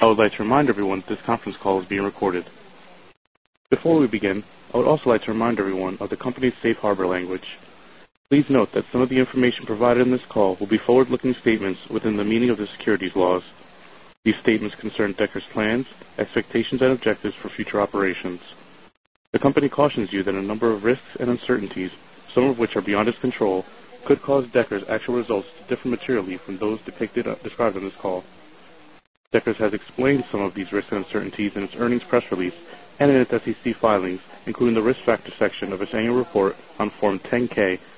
I would like to remind everyone that this conference call is being recorded. Before we begin, I would also like to remind everyone of the company's Safe Harbor language. Please note that some of the information provided in this call will be forward looking statements within the meaning of the securities laws. These statements concern Decker's plans, expectations and objectives for future operations. The company cautions you that a number of risks and uncertainties, some of which are beyond its control, could cause Deckers' actual results to differ materially from those described on this call. Deckers has explained some of these risks and uncertainties in its earnings press release and in its SEC filings, including the Risk Factors section of its Annual Report on Form 10 ks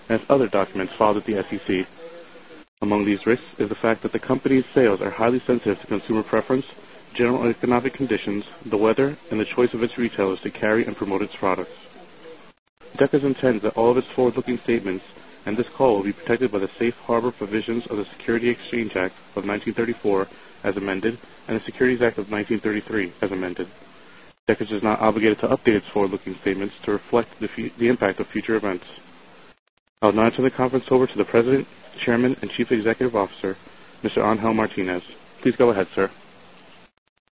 and its other documents filed with the SEC. Among these risks is the fact that the company's sales are highly sensitive to consumer preference, general economic conditions, the weather and the choice of its retailers to carry and promote its products. Deckers intends that all of its forward looking statements and this call will be protected by the Safe Harbor provisions of the Securities Exchange Act of 19 34 as amended and the Securities Act of 1933 as amended. Deckers is not obligated to update its forward looking statements to reflect the impact of future events. I would now like to turn the conference over to the President, Chairman and Chief Executive Officer, Mr. Angel Martinez. Please go ahead, sir.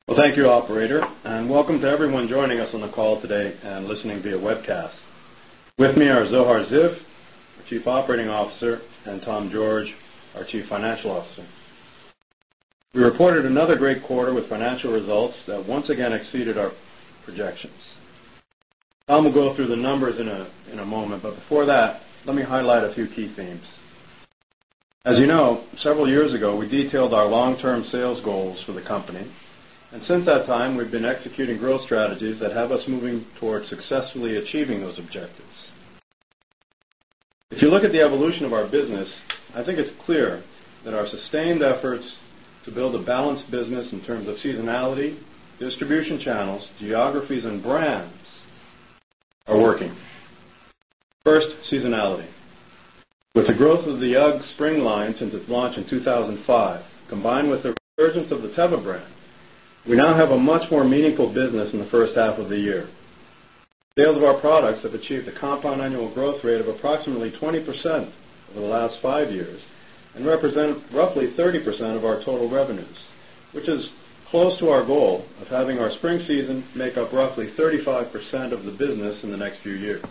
Well, thank you, operator, and welcome to everyone joining us on the call today and listening via webcast. With me are Zohar Ziv, our Chief Operating Officer and Tom George, our Chief Financial Officer. We reported another great quarter with financial results that once again exceeded our projections. Tom will go through the numbers in a moment, but before that, let me highlight a few key themes. As you know, several years ago, we detailed our long term sales goals for the company. And since that time, we've been executing growth strategies that have us moving towards successfully achieving those objectives. If you look at the evolution of our business, I think it's clear that our sustained efforts to build a balanced business in terms of seasonality, distribution channels, geographies and brands are working. First, seasonality. With the growth of the UGG Spring line since its launch in 2005, combined with the emergence of the Teva brand, we now have a much more meaningful business in the first half of the year. Sales of our products have achieved a compound annual growth rate of approximately 20% over the last 5 years and represent roughly 30% of our total revenues, which is close to our goal of having our spring season make up roughly 35% of the business in the next few years.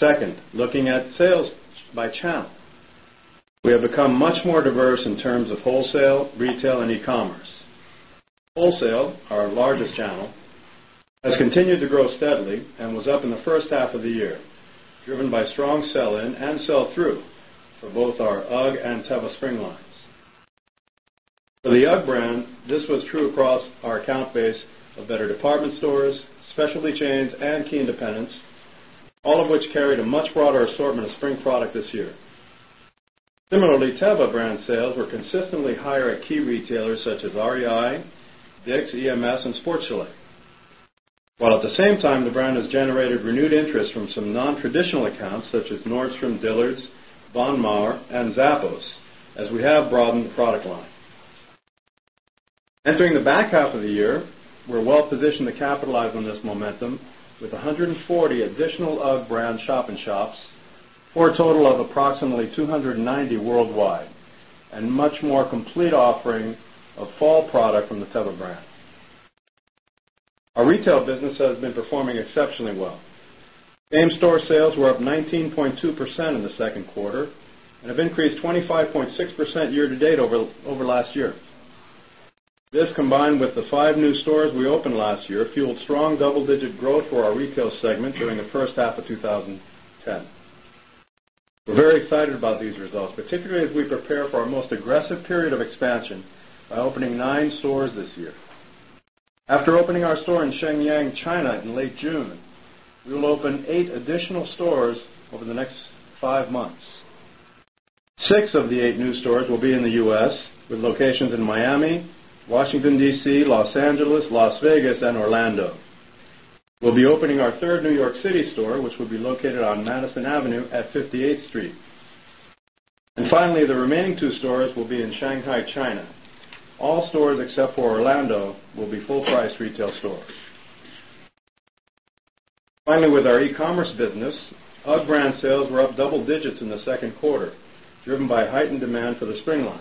2nd, looking at sales by channel. We have become much more diverse in terms of wholesale, retail and e commerce. Wholesale, our largest channel, has continued to grow steadily and was up in the first half of the year, driven by strong sell in and sell through for both our UGG and Teva Spring lines. For the UGG brand, this was true across our account base of better department stores, specialty chains and key independents, all of which carried a much broader assortment of spring product this year. Similarly, Teva brand sales were consistently higher at key retailers such as REI, DICK'S, EMS and Sports Chalet. While at the same time, the brand has generated renewed interest from some non traditional accounts such as Nordstrom, Dillard's, Von Maur and Zappos, as we have broadened the product line. Entering the back half of the year, we're well positioned to capitalize on this momentum with 140 additional UGG brand shop in shops for a total of approximately 290 worldwide and much more complete offering of fall product from the Teva brand. Our retail business has been performing exceptionally well. Same store sales were up 19.2% in the 2nd quarter and have increased 25.6% year to date over last year. This combined with the 5 new stores we opened last year fueled strong double digit growth for our retail segment during the first half of twenty ten. We're very excited about these results, particularly as we prepare for our most aggressive period of expansion by opening 9 stores this year. After opening our store in Shenyang, China in late June, we will open 8 additional stores over the next 5 months. 6 of the 8 new stores will be in the U. S. With locations in Miami, Washington, D. C, Los Angeles, Las Vegas and Orlando. We'll be opening our 3rd New York City store, which will be located on Madison Avenue at 58th Street. And finally, the remaining two stores will be in Shanghai, China. All stores except for Orlando will be full price retail stores. Finally, with our e commerce business, UGG brand sales were up double digits in the 2nd quarter, driven by heightened demand for the spring line.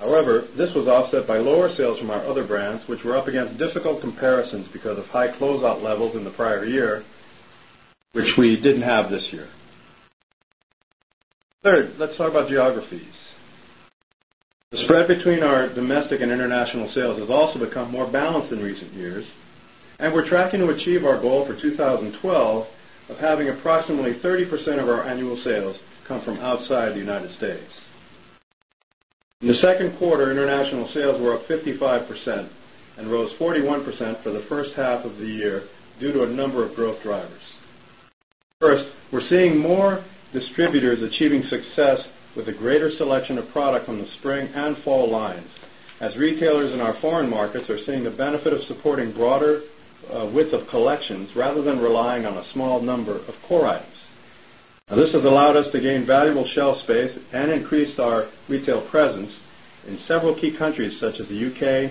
However, this was offset by lower sales from our other brands, which were up against difficult comparisons because of high closeout levels in the prior year, which we didn't have this year. 3rd, let's talk about geographies. The spread between our domestic and international sales has also become more balanced in recent years and we're tracking to achieve our goal for 2012 of having approximately 30% of our annual sales come from outside the United States. In the Q2, international sales were up 55% and rose 41% for the first half of the year due to a number of growth drivers. First, we're seeing more distributors achieving success with a greater selection of product on the spring and fall lines as retailers in our foreign markets are seeing the benefit of supporting broader width of collections rather than relying on a small number of core items. And this has allowed us to gain valuable shelf space and increase our retail presence in several key countries such as the UK,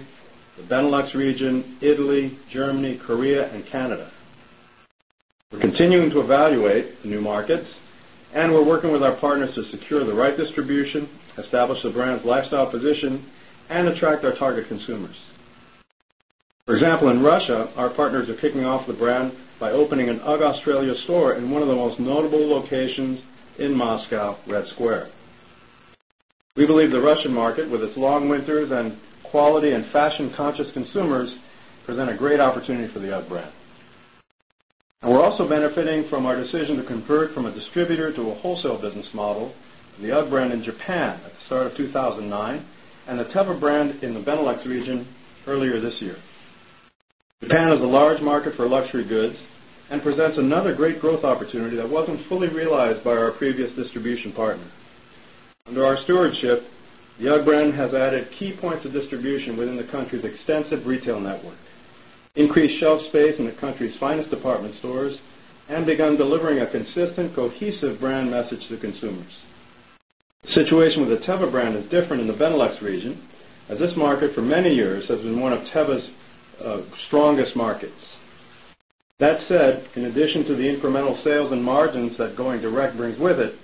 the Benelux region, Italy, Germany, Korea and Canada. We're continuing to evaluate new markets and we're working with our partners to secure the right distribution, establish the brand's lifestyle position and attract our target consumers. For example, in Russia, our partners are kicking off the by opening an UGG Australia store in one of the most notable locations in Moscow, Red Square. We believe the Russian market with its long winters and quality and fashion conscious consumers present a great opportunity for the UGG brand. And we're also benefiting from our decision to convert from a distributor to a wholesale business model, the UGG brand in Japan at the start of 2,009 and the Teva brand in the Benelux region earlier this year. Japan is a large market for luxury goods and presents another great growth opportunity that wasn't fully realized by our previous distribution partner. Under our stewardship, the UGG brand has added key points of distribution within the country's extensive retail network, increased shelf space in the country's finest department stores and begun delivering a consistent cohesive brand message to consumers. Situation with the Teva brand is different in the Benelux region as this market for many years has been one of Teva's strongest markets. That said, in addition to the incremental sales and margins that going direct brings with it,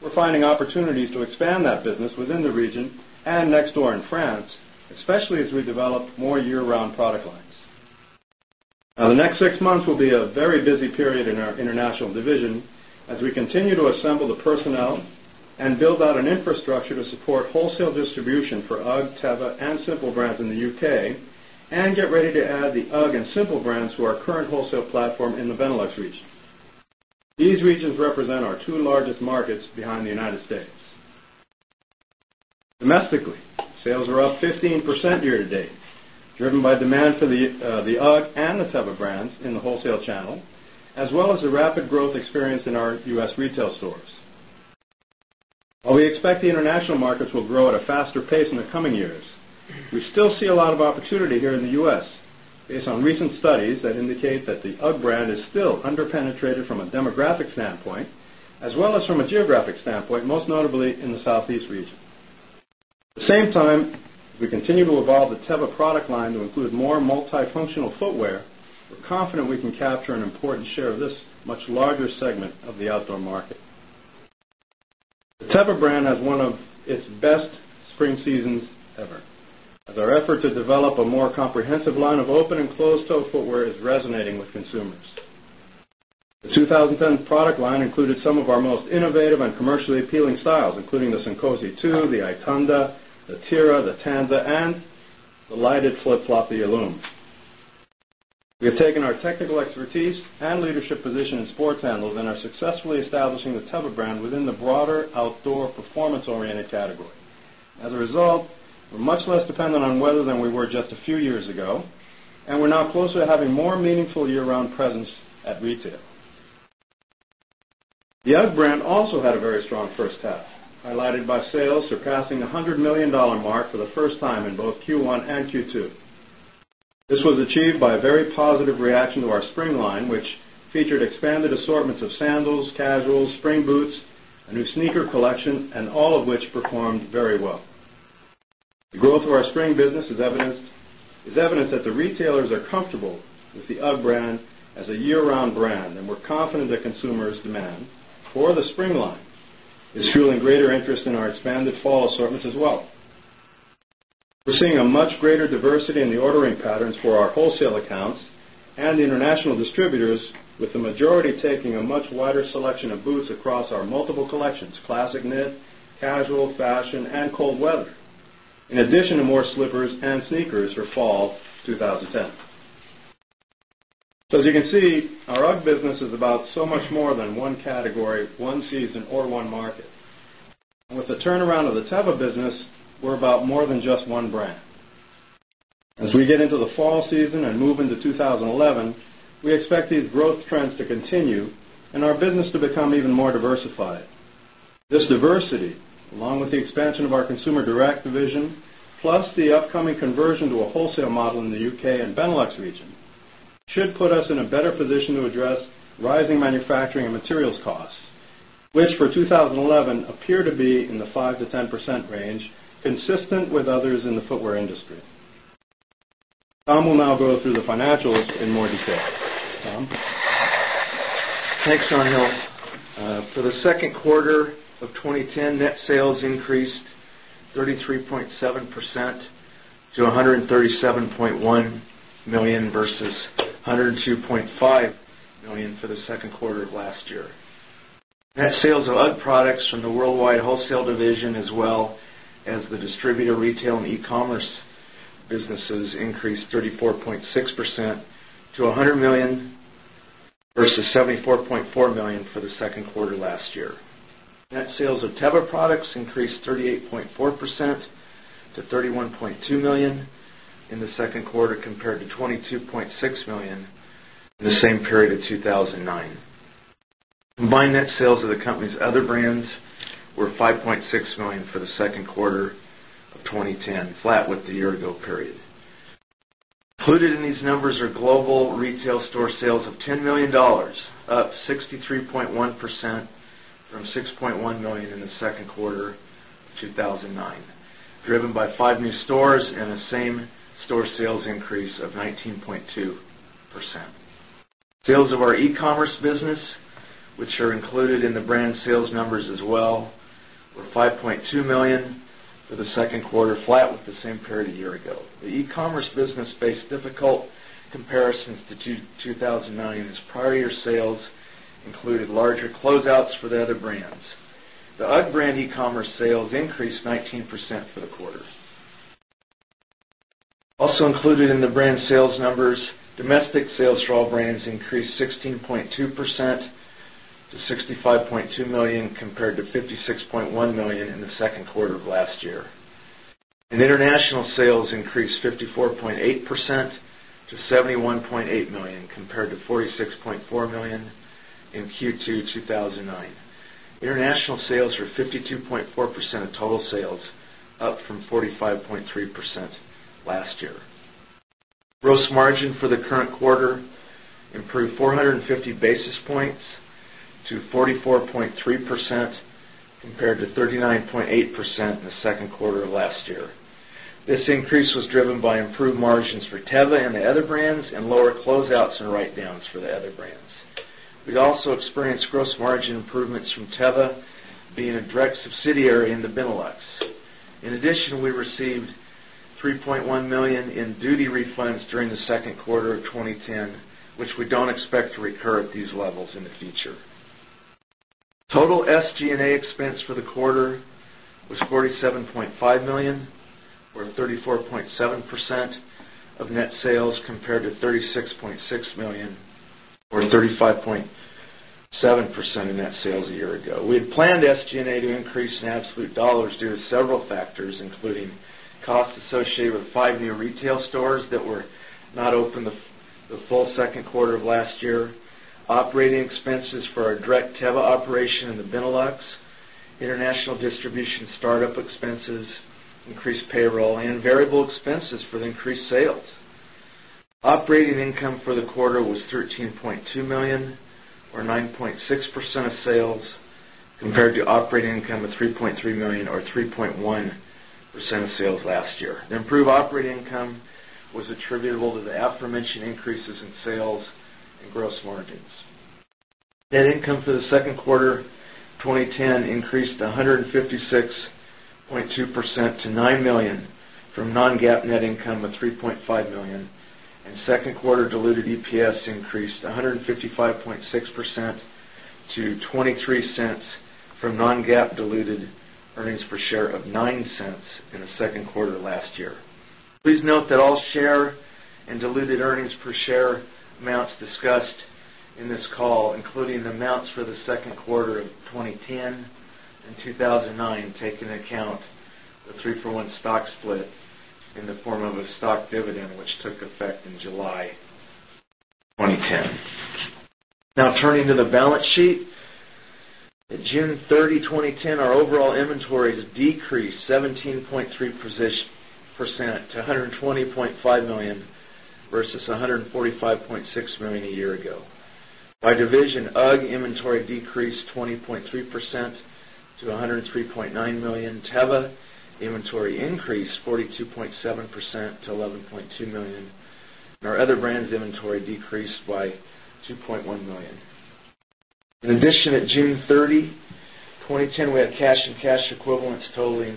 we're finding opportunities to expand that business within the region and next door in France, especially as we develop more year round product lines. Now the next 6 months will be a very busy period in our international division as we continue to assemble the personnel and build out an infrastructure to support wholesale distribution for UGG, Teva and Simple Brands in the UK and get ready to add the UGG and Simple Brands to our current wholesale platform in the Benelux region. These regions represent our 2 largest markets behind the United States. Domestically, sales were up 15% year to date, driven by demand for the UGG and the Teva brands in the wholesale channel, as well as the rapid growth experience in our U. S. Retail stores. While we expect the international markets will grow at a faster pace in the coming years, we still see a lot of opportunity here in the U. S. Based on recent studies that indicate that the UGG brand is still under penetrated from a demographic standpoint, as well as from a geographic standpoint, most notably in the Southeast region. At the same time, we continue to evolve the Teva product line to include more multi functional footwear, we're confident we can capture an important share of this much larger segment of the outdoor market. The Teva brand has one of its best spring seasons ever. As our effort to develop a more comprehensive line of open and closed toe footwear is resonating with consumers. The 2010 product line included some of our most innovative and commercially appealing styles, including the Syncosi 2, the Itanda, the Tiara, the Tanza and the lighted flip floppy ILLUM. We have taken our technical expertise and leadership position in sports handles and are successfully establishing the Teva brand within the broader outdoor performance oriented category. As a result, we're much less dependent on weather than we were just a few years ago and we're now closer to having more meaningful year round presence at retail. The HEVA brand also had a very strong first half, highlighted by sales surpassing the 100,000,000 dollars mark for the first time in both Q1 and Q2. This was achieved by a very positive reaction to our spring line, which featured expanded assortments of sandals, casuals, spring boots, a new sneaker collection and all of which performed very well. The growth of our spring business is evidenced that the retailers are comfortable with the UGG brand as a year round brand and we're confident that consumers demand for the spring line is fueling greater interest in our expanded fall assortments as well. We're seeing a much greater diversity in the ordering patterns for our wholesale accounts and international distributors with the majority taking a much wider selection of boots across our multiple collections, classic knit, casual, fashion and cold weather, in addition to more slippers and sneakers for fall 2010. So as you can see, our UGG business is about so much more than 1 category, 1 season or 1 market. With the turnaround of the Teva business, we're about more than just one brand. As we get into the fall season and move into 2011, we expect these growth trends to continue and our business to become even more diversified. This diversity, along with the expansion of our consumer direct division, plus the upcoming conversion to a wholesale model in the UK and Benelux region, should put us in a better position to address rising manufacturing and materials costs, which for 2011 appear to be in the 5% to 10% range consistent with others in the footwear industry. Tom will now go through the financials in more detail. Tom? Thanks, Angel. For the quarter of 2010, net sales increased 33.7 percent to $137,100,000 versus $102,500,000 for the Q2 of last year. Net sales of UGG products from the worldwide wholesale division as well as the distributor retail and e commerce businesses increased 34.6% to 100,000,000 dollars versus $74,400,000 for the Q2 last year. Net sales of Teva products increased 38.4 percent to $31,200,000 in the 2nd quarter compared to $22,600,000 in the same period of 2,009. Combined net sales of the company's other brands were $5,600,000 for the Q2 of 2010, flat with the year ago period. Included in these numbers are global retail store sales of $10,000,000 up 63.1 percent from $6,100,000 in the Q2 of 2000 2,009, driven by 5 new stores and the same store sales increase of 19.2%. Sales of our e commerce business, which are included in the brand sales numbers as well were 5,200,000 for the Q2 flat with the same period a year ago. The e commerce business faced difficult comparisons to $2,000,000 as prior year sales included larger closeouts for the other brands. The UGG brand e commerce sales increased 19% for the quarter. Also included in the brand sales numbers, domestic sales straw brands increased 16.2% to $65,200,000 compared to $56,100,000 in the Q2 of last year. And international sales increased 54.8 percent to $71,800,000 compared to $46,400,000 in Q2, 2009. International sales were 52.4 percent of total sales, up from 45.3% last year. Gross margin for the current quarter improved 450 basis points to 44.3% compared to 39.8% in the Q2 of last year. This increase was driven by improved margins for Teva and the other brands and lower closeouts and write downs for the other brands. We also experienced gross margin improvements from Teva being a direct subsidiary in the Benelux. In addition, we received $3,100,000 in duty refunds during the Q2 of 2010, which we don't expect to recur at these levels in the future. Total SG and A expense for the quarter was $47,500,000 or 34.7 percent of net sales compared to $36,600,000 or 35 point 7% in net sales a year ago. We had planned SG and A to increase in absolute dollars due to several factors including costs associated with 5 new retail stores that were not open the full Q2 of last year, operating expenses for our direct Teva operation in the Benelux, international distribution startup expenses, increased payroll and variable expenses for the increased sales. Operating income for the quarter was $13,200,000 or 9.6 percent of sales compared to operating income of $3,300,000 or 3.1 percent of sales last year. The improved operating income was attributable to the aforementioned increases in sales and gross margins. Net income for the Q2 2010 increased 156.2 percent to $9,000,000 from non GAAP net income of $3,500,000 and 2nd quarter diluted EPS increased 155.6 percent to $0.23 from non GAAP diluted earnings per share of $0.09 in the Q2 last year. Please note that all share and diluted earnings per share amounts discussed in this call, including the amounts for the Q2 of 20,102,009 take into account the 3 for 1 stock split in the form of a stock dividend which took effect in July 2010. Now turning to the balance sheet. At June 30, 2010 our overall inventories decreased 17.3 percent to $120,500,000 versus $145,600,000 a year ago. By division, UGG inventory decreased 20.3 percent to $103,900,000 Teva inventory increased 42.7 percent to $11,200,000 Our other brands inventory decreased by $2,100,000 In addition at June 30, 2010, we had cash and cash equivalents totaling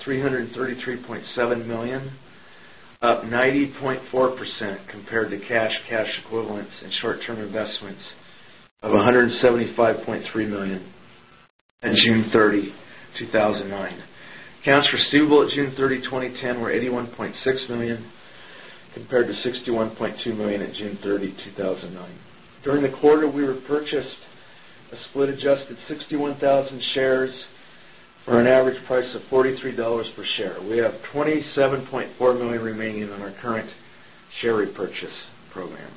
3 $33,700,000 up 90.4 percent compared to cash, cash equivalents and short term investments of $175,300,000 at June 30, 2009. Accounts receivable at June 30, 2010 were $81,600,000 compared to $61,200,000 at June 30, 2009. During the quarter, we repurchased a split adjusted 61,000 shares for an average price of $43 per share. We have $27,400,000 remaining in our current share repurchase program.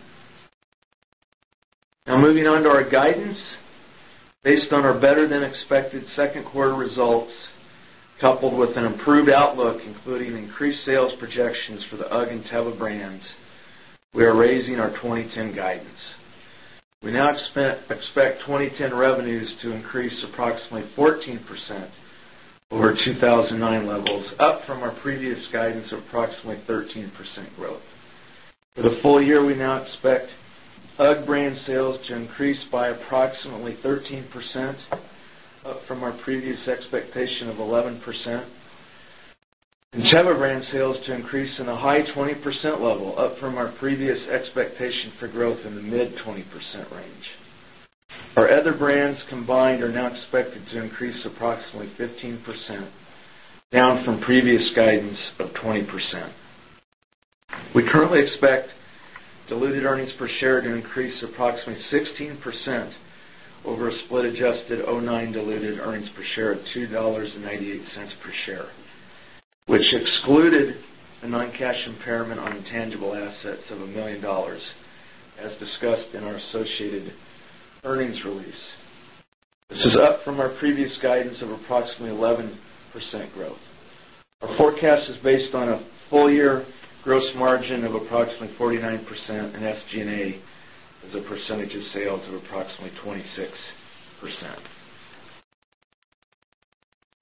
Now moving on to our guidance. Based on our better than expected 2nd quarter results coupled with an improved outlook including increased sales projections for the UGG and Teva brands, we are raising our 20.10 guidance. We now expect 2010 revenues to increase approximately 14% over 2,009 levels, up from our previous guidance of approximately 13% growth. For the full year, we now expect UGG brand sales to increase by approximately 13% up from our previous expectation of 11%. And Teva brand sales to increase in a high 20% level up from our previous expectation for growth in the mid-twenty percent range. Our other brands combined are now expected to increase approximately 15%, down from previous guidance of 20%. We currently expect diluted earnings per share to increase approximately 16% over a split adjusted 'nine diluted earnings per share of $2.98 per share, which excluded a non cash impairment on intangible assets of $1,000,000 as discussed in our associated earnings release. This is up from our previous guidance of approximately 11% growth. Our forecast is based on a full year gross margin of approximately 49% and SG and A as a percentage of sales of approximately 26%.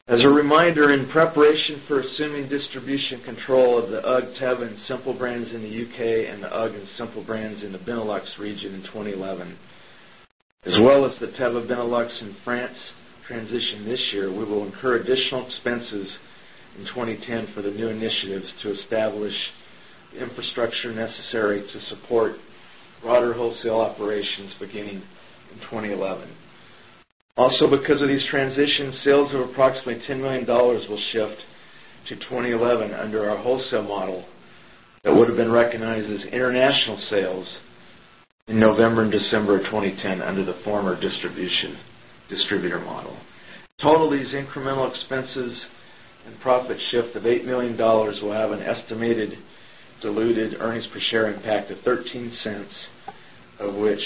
As a reminder, in preparation for assuming distribution control of the UGG, Teva and Simple Brands in the UK and the UGG and Simple Brands in the Benelux region in 2011, as well as the Teva Benelux in France transition this year, we will incur additional expenses in 2010 for the new initiatives to establish infrastructure necessary to support broader wholesale operations beginning in 2011. Also because of these transitions, sales of approximately $10,000,000 will shift to 20.11 under our wholesale model that would have been recognized as international sales in November December of 2010 under the former distribution distributor model. Total these incremental expenses and profit shift of $8,000,000 will have an estimated diluted earnings per share impact of $0.13 of which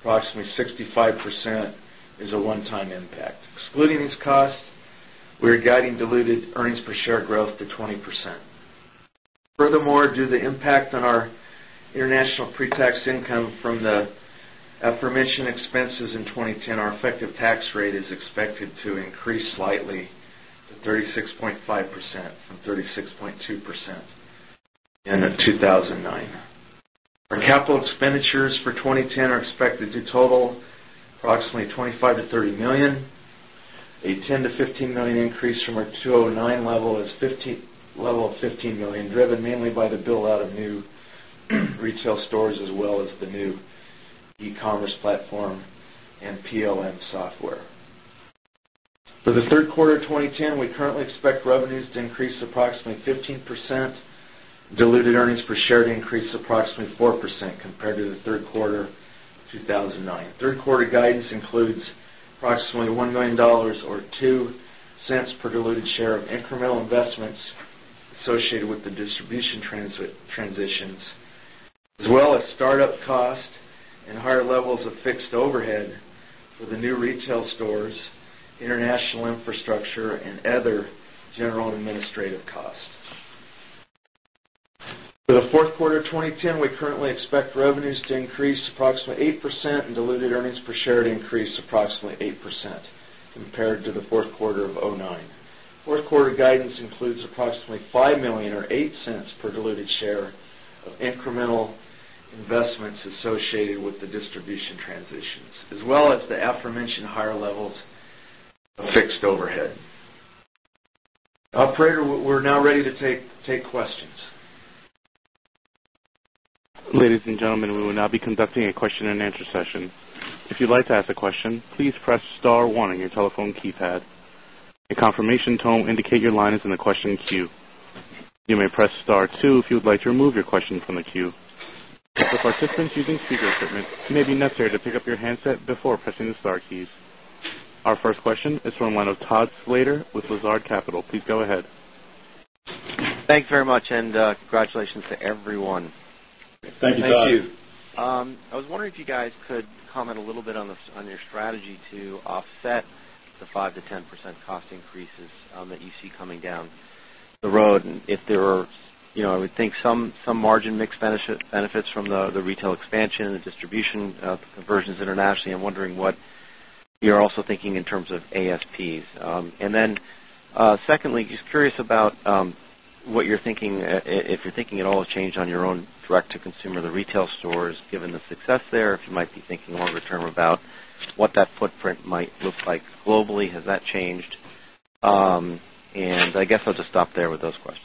approximately 65% is a one time impact. Excluding these costs, we are guiding diluted earnings per share growth to 20%. Furthermore, due to the impact on our international pre tax income from the aforementioned expenses in 2010, our effective tax rate is expected to increase slightly to 36.5% from 36.2% in 2009. Our capital expenditures for 2010 are expected to total approximately $25,000,000 to $30,000,000 a $10,000,000 to $15,000,000 increase from our $209,000,000 level of $15,000,000 driven mainly by the build out of new retail stores as well as the new e commerce platform and PLM software. For the Q3 of 2010, we currently expect revenues to increase approximately 15%, diluted earnings per share to increase approximately 4% compared to the Q3 2019. 3rd quarter guidance includes approximately $1,000,000 or $0.02 per diluted share of incremental investments associated with the distribution transitions as well as startup costs and higher levels of fixed overhead for the new retail stores, international infrastructure and other general and administrative costs. For the Q4 of 2010, we currently expect revenues to increase approximately 8% and diluted earnings per share to increase approximately 8% compared to the Q4 of 2009. 4th quarter guidance includes approximately $5,000,000 or $0.08 per diluted share of incremental investments associated with the distribution transitions as well as the aforementioned higher levels of fixed overhead. Operator, we're now ready to take questions. Our first question is from the line of Todd Slater with Lazard Capital. Please go ahead. Thanks very much and congratulations to everyone. Thank you, Todd. Thank you. I was wondering if you guys could comment a little bit on your strategy to offset the 5% to 10% cost increases that you see coming down the road? And if there are, I would think some margin mix benefits from the retail expansion, the distribution conversions internationally, I'm wondering what you're also thinking in terms of ASPs? And then secondly, just curious about what you're thinking if you're thinking at all has changed on your own direct to consumer, the retail stores given the success there, if you might be thinking longer term about what that footprint might look like globally, has that changed? And I guess I'll just stop there with those questions.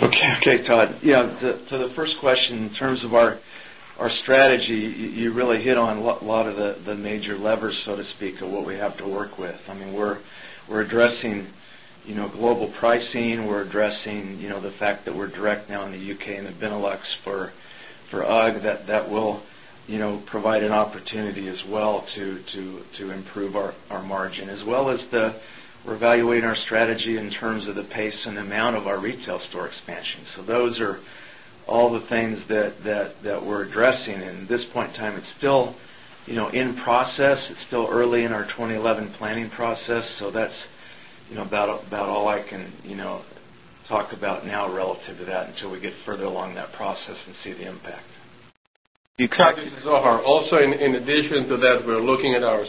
Okay, Todd. Yes, to the first question in terms of our strategy, you really hit on a lot of the major levers, so to speak, of what we have to work with. I mean, we're addressing global pricing, we're addressing the fact that we're direct now in the UK and the Benelux for UGG that will provide an opportunity as well to improve our margin, as well as the the we're evaluating our strategy in terms of the pace and amount of our retail store expansion. So those are all the things that we're addressing. And at this point in time, it's still in process. It's still early in our 2011 planning process. So that's about all I can talk about now relative to that until we get further along that process and see the impact. In addition to that, we're looking at our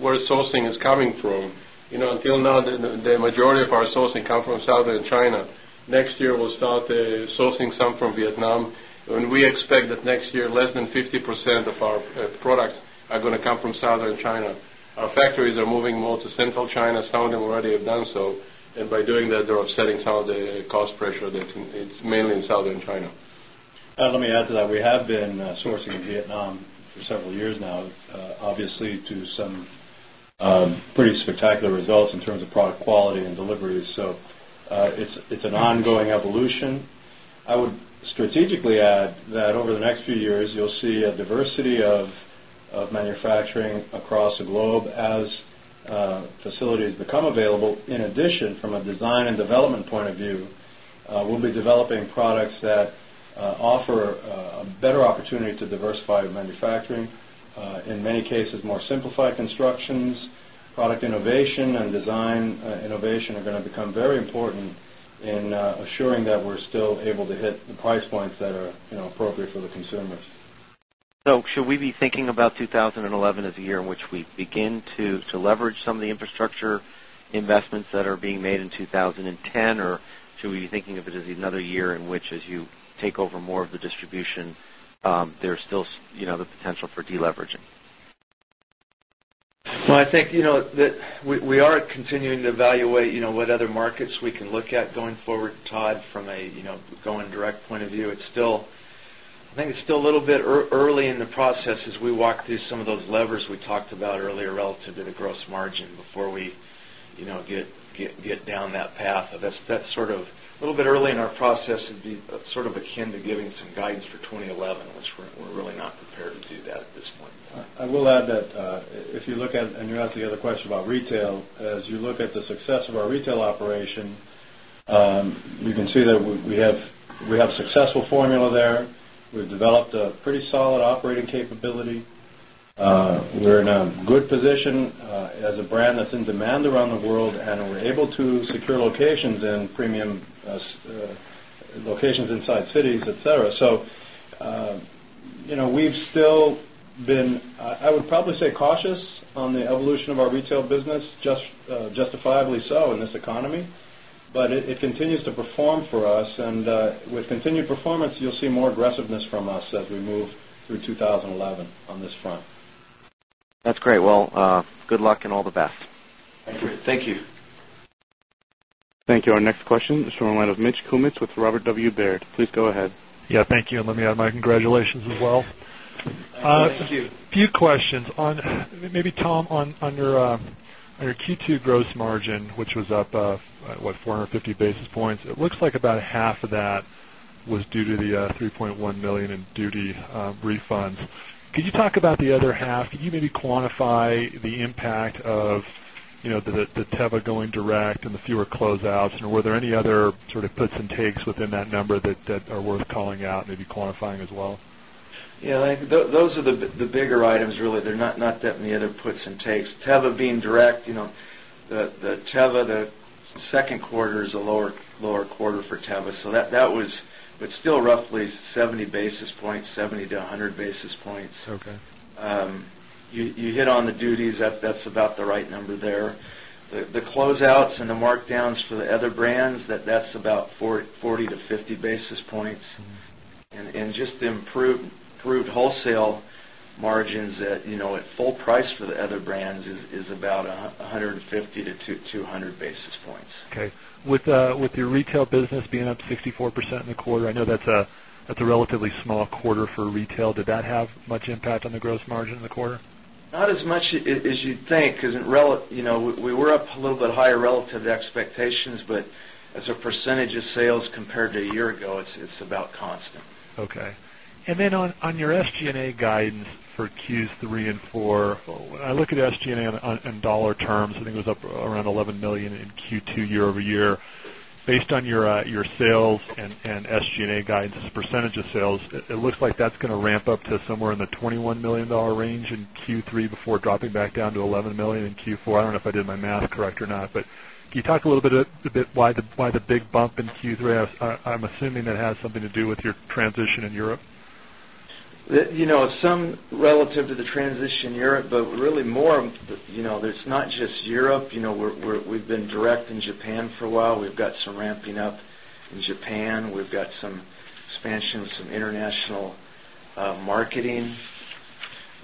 where sourcing is coming from. Until now, the majority of our sourcing come from Southern China. Next year, we'll start sourcing some from Vietnam. And we expect that next year, less than 50% of our products are going to come from Southern China. Our factories are moving more to Central China, Saudi already have done so. And by doing that, they're offsetting some of the cost pressure that's it's mainly in Southern China. Let me add to that. We have been sourcing in Vietnam for several years now, obviously, to some pretty spectacular results in terms of product quality and deliveries. So it's an ongoing evolution. I would strategically add that over the next few years, you'll see a diversity of manufacturing across the globe as facilities become available. In addition, from a design and development point of view, we'll be developing products that offer a better opportunity to diversify manufacturing, in many cases more simplified constructions, product innovation and design innovation are going to become very important in assuring that we're still able to hit the price points that are appropriate for the consumers. So, should we be thinking about 2011 as a year in which we begin to leverage some of the infrastructure investments that are being made in 2010 or should we be thinking of it as another year in which as you take over more of the distribution, there's still the potential for deleveraging? Well, I think that we are continuing to evaluate what other markets we can look at going forward, Todd, from a going direct point of view. It's still I think it's still a little bit early in the process as we walk through some of those levers we talked about earlier relative to the gross margin before we get down that path. So that's sort of a little bit early in our process, it would be sort of akin to giving some guidance for 2011, which we're really not prepared to do that at this point. I will add that if you look at and you asked the other question about retail, as you look at the success of our retail operation, you can see that we have successful formula there. We've developed a pretty solid operating capability. We're in a good position as a brand that's in demand around the world and we're able to secure locations and premium locations inside cities, etcetera. So we've still been, I would probably say cautious on the evolution of our retail business justifiably so in this economy, but it continues to perform for us. And with continued performance, you'll see more aggressiveness from us as we move through 2011 on this front. That's great. Well, good luck and all the best. Thank you. Thank you. Thank you. Our next question is from the line of Mitch Kummetz with Robert W. Baird. Please go ahead. Yes. Thank you. And let me add my congratulations as well. Thank you. Few questions on maybe Tom on your Q2 gross margin, which was up, what, 4.50 basis points, it looks like about half of that was due to the $3,100,000 in duty refunds. Could you talk about the other half? Could you maybe quantify the impact of the Teva going direct and the fewer closeouts? And were there any other sort of puts and takes within that number that are worth calling out, maybe quantifying as well? Yes. Those are the bigger items really. They're not that many other puts and takes. Teva being direct, the Teva, the 2nd quarter is a lower quarter for Teva. So that was but still roughly 70 basis points, 70 basis points to 100 basis points. You hit on the duties, that's about the right number there. The closeouts and the markdowns for the other brands that's about 40 basis points to 50 basis points and just improved wholesale margins at full price for the other brands is about 100 and 50 basis points to 200 basis points. Okay. With your retail business being up 64% in the quarter, I know that's a relatively small quarter for retail. Did that have much impact on the gross margin in the quarter? Not as much as you'd think, because we were up a little bit higher relative to expectations, but as a percentage of sales compared to a year ago, it's about constant. Okay. And then on your SG and A guidance for Q3 and Q4, when I look at SG and A in dollar terms, I think it was up around $11,000,000 in Q2 year over year. Based on your sales and SG and A guidance as a percentage of sales, it looks like that's going to ramp up to somewhere in the 21 $1,000,000 range in Q3 before dropping back down to $11,000,000 in Q4. I don't know if I did my math correct or not. But can you talk a little bit why the big bump in Q3? I'm assuming that has something to do with your transition in Europe. Some relative to the transition in Europe, but really more there's not just Europe. We've been direct in Japan for a while. We've got some ramping up in Japan. We've got some some expansion of some international marketing.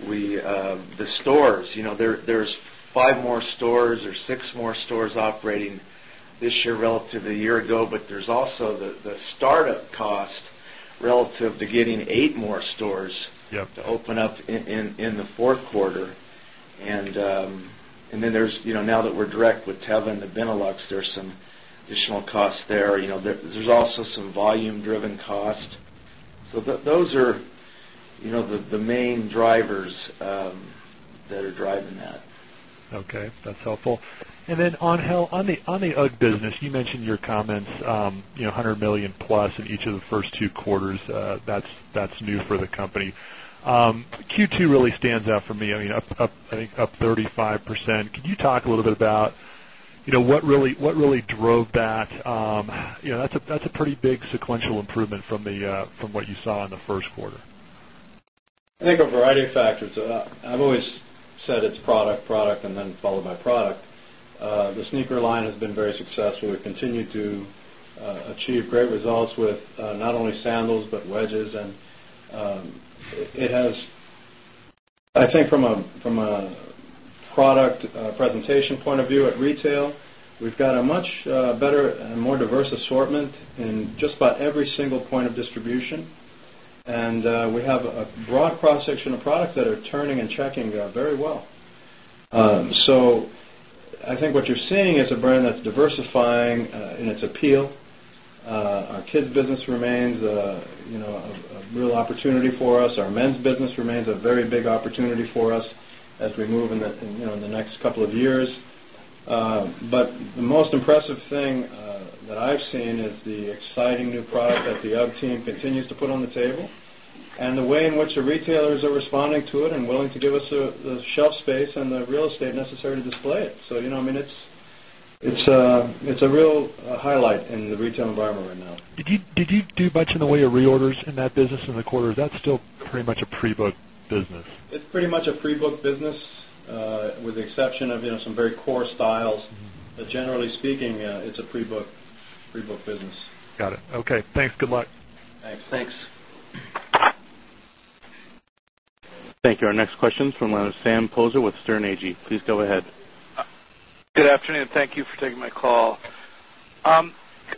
We the stores, there's 5 more stores or 6 more stores operating this year relative to a year ago, but there's also the startup cost relative to getting 8 more stores to open up in the Q4. And then there's now that we're direct with Teva and the Benelux, there's some additional costs there. There's also some volume driven costs. So those are the main drivers that are driving that. Okay. That's helpful. And then on Hill, on the UGG business, you mentioned in your comments $100,000,000 plus in each of the first two quarters, that's new for the company. Q2 really stands out for me, I mean, up, I think, up 35%. Could you talk a little bit about what really drove that? That's a pretty big sequential improvement from what you saw in the Q1? I think a variety of factors. I've always said it's product, product and then followed my product. The sneaker line has been very successful. We continue to achieve great results with not only sandals, but wedges and it has I think from a product presentation point of view at retail, we've got a much better and more diverse assortment assortment in just about every single point of distribution. And we have a broad cross section of products that are turning and checking very well. So I think what you're seeing is a brand that's diversifying in its appeal. Our kids business remains a real opportunity for us. Our men's business remains a very big opportunity for us as we move in the next couple of years. But the most impressive thing that I've seen is the exciting new product that the UGG team continues to put on the table and the way in which the retailers are responding to it and willing to give us the shelf space and the real estate necessary to display it. So, I mean, it's a real highlight in the retail environment right now. Did you do much in the way of reorders in that business in the quarter? Is that still pretty much a pre booked business? It's pretty much a pre booked business with the exception of some very core styles, but generally speaking, it's a pre book business. Got it. Okay. Thanks. Good luck. Thanks. Thanks. Thank you. Our next question is from the line of Sam Poser with Stern AG. Please go ahead. Good afternoon. Thank you for taking my call. A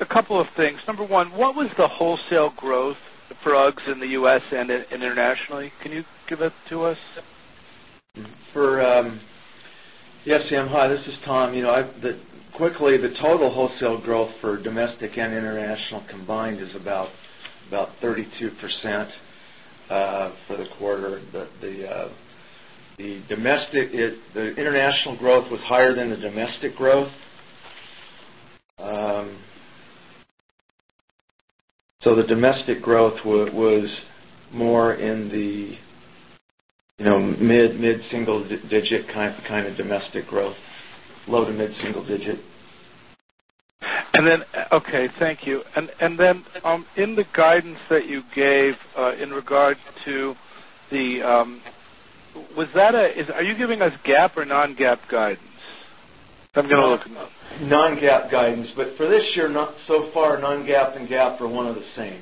couple of things. Number 1, what was the wholesale growth for UGGs in the U. S. And internationally? Can you give it to us? Yes, Sam. Hi, this is Tom. Quickly, the total wholesale growth for domestic and international combined is about 32% for the quarter. The domestic the international growth was higher than the domestic growth. So the domestic growth was more in the mid single digit kind of domestic growth, low to mid single digit. And then okay, thank you. And then in the guidance that you gave in regard to the was that a is are you giving us GAAP or non GAAP guidance? I'm going to look them up. Non GAAP guidance, but for this year not so far non GAAP and GAAP are 1 of the same.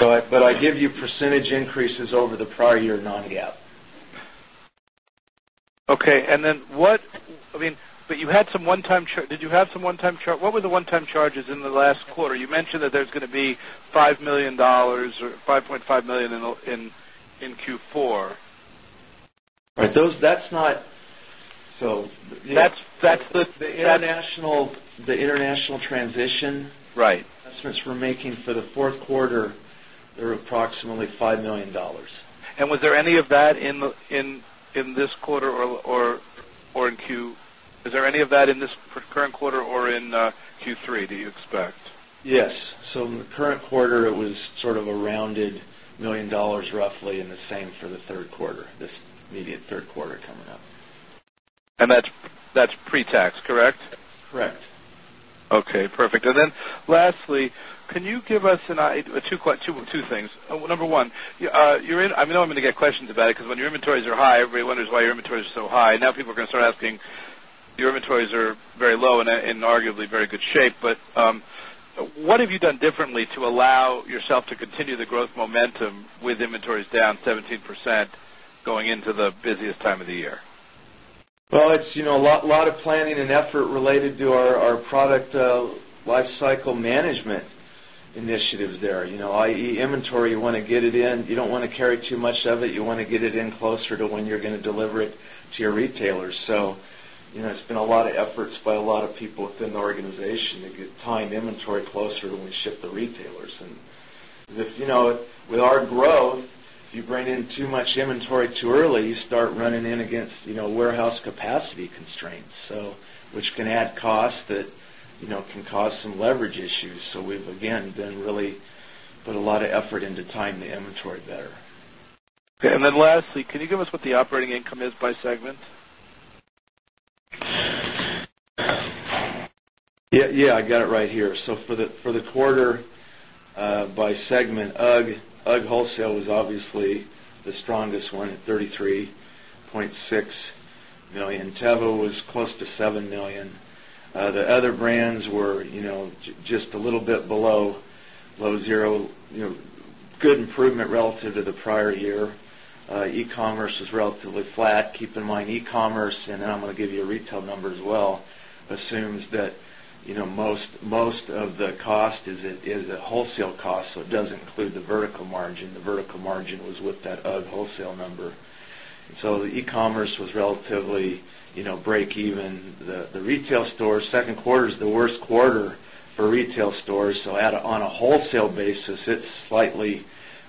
But I give you percentage increases over the prior year non GAAP. Okay. And then what I mean, but you had some one time did you have some one time charge what were the one time charges in the last quarter? You mentioned that there's going to be $5,000,000 or $5,500,000 in Q4. Right. Those that's not so That's the international transition. Right. Estimates we're making for the Q4, they're approximately $5,000,000 And was there any of that in this quarter or in Q is there any of that in this current quarter or in Q3 that you expect? Yes. So in the current quarter, it was sort of a rounded $1,000,000 roughly and the same for the Q3, this immediate Q3 coming up. And that's pretax, correct? Correct. Okay, perfect. And then lastly, can you give us 2 things. Number 1, I know I'm going to get questions about it because when your inventories are high, everybody wonders why your inventory is so high. Now people are going to start asking, your inventories are very low and in arguably very good shape. But what have you done differently to allow yourself to continue the growth momentum with inventories down 17% going into the busiest time of the year? Well, it's a lot of planning and effort related to our product lifecycle management initiatives there, I. E. Inventory you want to get it in, you don't want to carry too much of it, you want to get it in closer to when you're going to deliver it to your retailers. It's been a lot of efforts by a lot of people within the organization to get time inventory closer when we ship the retailers. And with our growth, if you bring in too much inventory too early, you start running in against warehouse capacity constraints, so which can add cost that, leverage issues. So, we've again been really put a lot of effort into time the inventory better. Okay. And then lastly, can you give us what the operating income is by segment? Yes, I got it right here. So for the quarter by segment UGG, UGG wholesale was obviously the strongest one at 33.6 $1,000,000 Teva was close to $7,000,000 The other brands were just a little bit below low 0, good improvement relative to the prior year. E commerce is relatively flat. Keep in mind e commerce and then I'm going to give you a retail number as well, assumes that most of the cost is a wholesale cost. So it does include the vertical margin. The vertical margin was with that UGG wholesale number. So the e commerce was relatively breakeven. The retail store, 2nd quarter is the worst quarter for retail stores. So on a wholesale basis, it's slightly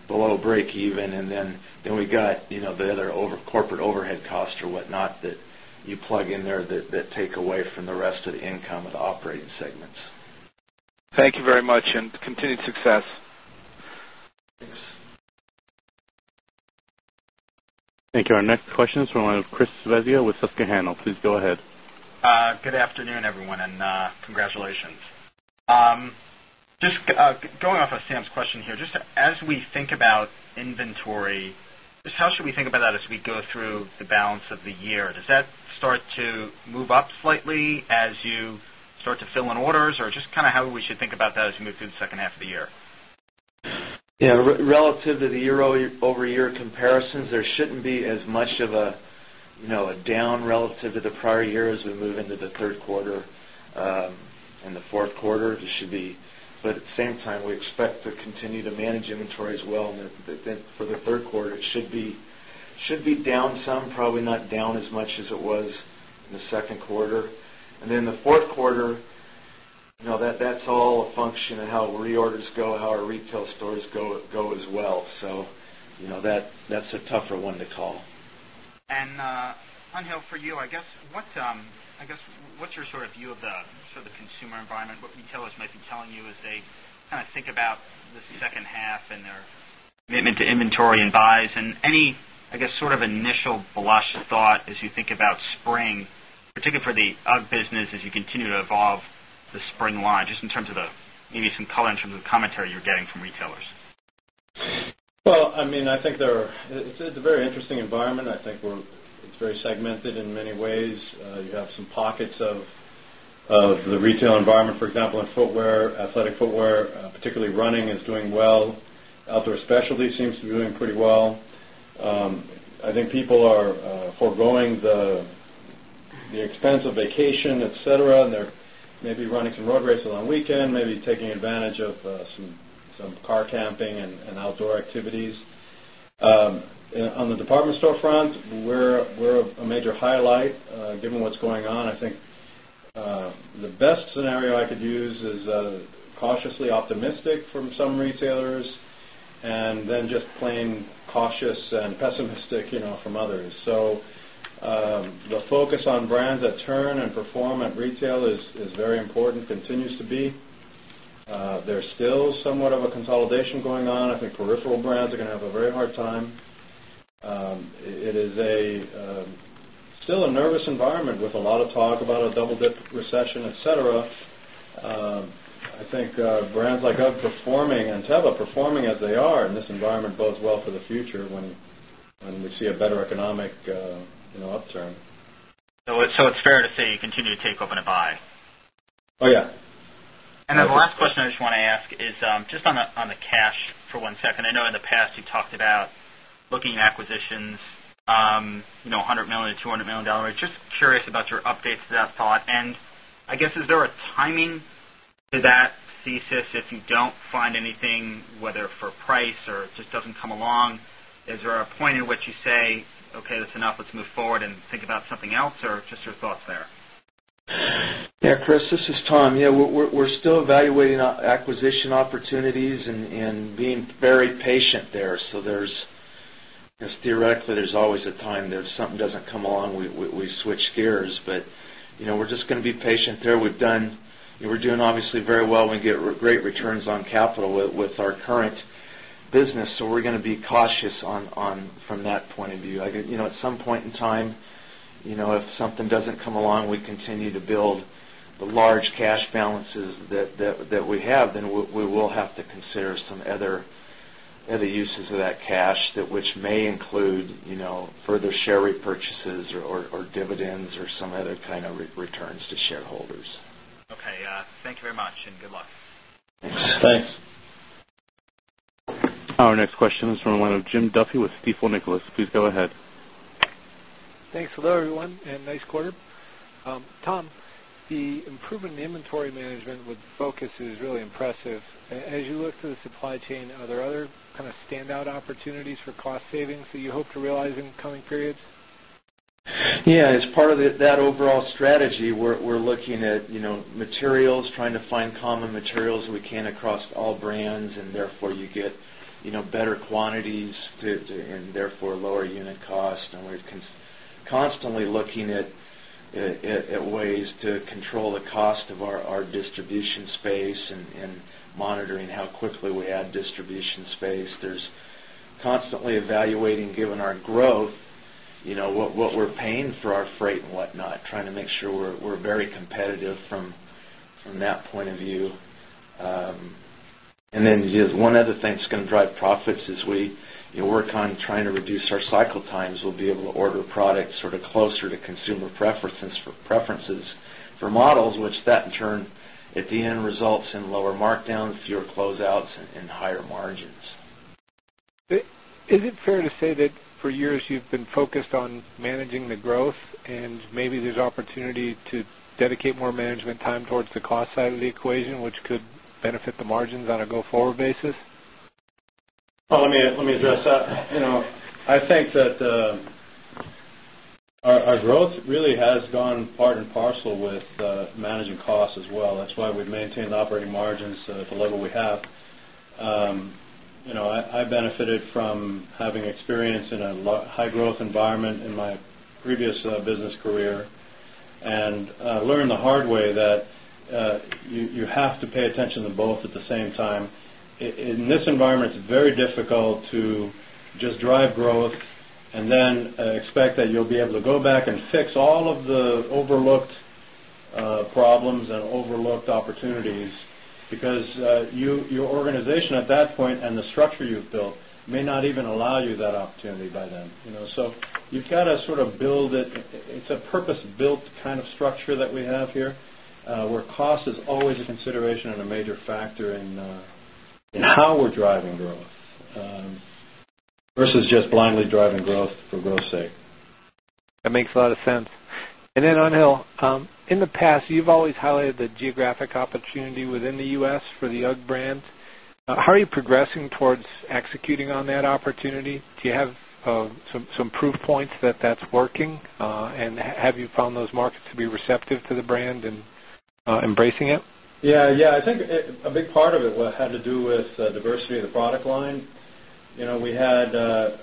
below breakeven. And then we got the other corporate overhead costs or whatnot that you plug in there that take away from the rest of the income of the operating segments. Thank you very much and continued success. Thanks. Our next question is from the line of Chris Svezia with Susquehanna. Just going off of Sam's question here, just as we think about inventory, how should we think about that as we go through the balance of the year? Does that start to move up slightly as you start to fill in orders? Or just kind of how we should think about that as we move through the second half of the year? Yes. Relative to the year over year comparisons, there shouldn't be as much of a down relative to the prior year as we move into the Q3. In the Q4, it should be but at the same time, we expect to continue to manage inventory as well. And for the Q3, it should be down some, probably not down as much as it was in the Q2. And then the Q4, that's all a function of how reorders go, how our retail stores go as well. So, that's a tougher one to call. And, Anil, for you, I guess, what's your sort of view of the sort of consumer environment? What retailers might be telling you as they kind of think about the second half and their commitment to inventory and buys? And any, I guess, sort of initial blush of thought as you think about spring, particularly for the UGG business as you continue to evolve the spring line just in terms of the maybe some color in terms of the commentary you're getting from retailers? Well, I mean, I think there are it's a very interesting environment. I think we're very segmented in many ways. You have some pockets of the retail environment, for example, in footwear, athletic footwear, particularly running is doing well. Outdoor specialty seems to be doing pretty well. I think people are foregoing the expense of vacation, etcetera, and they're maybe running some road races on weekend, maybe taking advantage of some car camping and outdoor activities. On the department store front, we're a major highlight given what's going on. I think the best scenario I could use is cautiously optimistic from some retailers and then just plain cautious and pessimistic from others. So the focus on brands that turn and perform at retail is very important, continues to be. There's still somewhat of a consolidation going on. I think peripheral brands are going to have a very hard time. It is a still a nervous environment with a lot of talk about a double dip recession, etcetera. I think brands like outperforming and Teva performing as they are in this environment bodes well for the future when we see a better economic upturn. So it's fair to say you continue to take open a buy? Yes. And then the last question I just want to ask is just on the cash for one second. I know in the past you talked about looking at acquisitions $100,000,000 to $200,000,000 Just curious about your updates to that thought. And I guess, is there a timing to that thesis if you don't find anything, whether for price or just doesn't come along? Is there a point in which you say, okay, that's enough, let's move forward and think about something else or just your thoughts there? Yes, Chris, this is Tom. Yes, we're still evaluating acquisition opportunities and being very patient there. So there's theoretically there's always a time that something doesn't come along, we switch gears. But we're just going to be patient there. We've done we're doing obviously very well. We get great returns on capital with our current business. So we're going to be cautious on from that point of view. I guess at some point in time, if something doesn't come along, we continue to build a large cash balance repurchases or dividends or some other kind of returns to shareholders. Okay. Thanks very much and good luck. Thanks. Thanks. Our next question is from the line of Jim Duffy with Stifel Nicolaus. Please go ahead. Thanks. Hello, everyone, and nice quarter. Tom, the improvement in inventory management with focus is really impressive. As you look to the supply chain, are there other kind of standout opportunities for cost savings that you hope to realize in the coming periods? Yes. As part of that overall strategy, we're looking at materials, trying to find common materials we can across all brands and therefore you get better quantities and therefore lower unit cost and we're constantly looking at ways to control the cost of our distribution space and monitoring how quickly we add distribution space. There's constantly evaluating given our growth what we're paying for our freight and whatnot trying to make sure we're very competitive from that point of view. And then just one other thing that's going to drive profits as we work on trying to reduce our cycle times, we'll be able to order products sort of closer to consumer preferences for models, which that in turn at the end results in lower markdowns, fewer closeouts and higher margins. Is it fair to say that for years you've been focused on managing the growth and maybe there's opportunity to dedicate more management time towards the cost side of the equation, which could benefit the margins on a go forward basis? Let me address that. I think that our growth really has gone part and parcel with managing costs as well. That's why we've maintained operating margins at the level we have. I benefited from having experience in a high growth environment in my previous business career and learned the hard way that you have to pay attention to both at the same time. In this environment, it's very difficult to just drive growth and then expect that you'll be able to go back and fix all of the overlooked problems and overlooked opportunities because your organization at that point and the structure you've built may not even allow you that opportunity by then. So you've got to sort of build it. It's a purpose built kind of structure that we have here where cost is always a consideration and a major factor in how we're driving growth versus just blindly driving growth for growth sake. That makes a lot of sense. And then Anil, in the past, you've always highlighted the geographic opportunity within the U. S. For the UGG brand. How are you progressing towards executing on that opportunity? Do you have some proof points that that's working? And have you found those markets to be receptive to the brand and embracing it? Yes, yes. I think a big part of it had to do with diversity of the product line. We had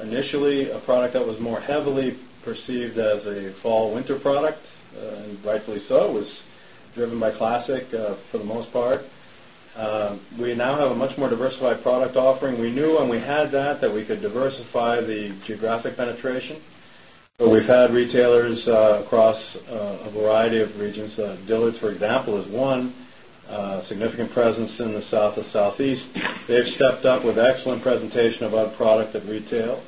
initially a product that was more heavily perceived as a fall winter product and rightly so was driven by classic for the most part. We now have a much more diversified product offering. We knew when we had that that we could diversify the geographic penetration. But we've had retailers across a variety of regions. Dillard's for example is one significant presence in the south of Southeast. They've stepped up with excellent presentation about product at retail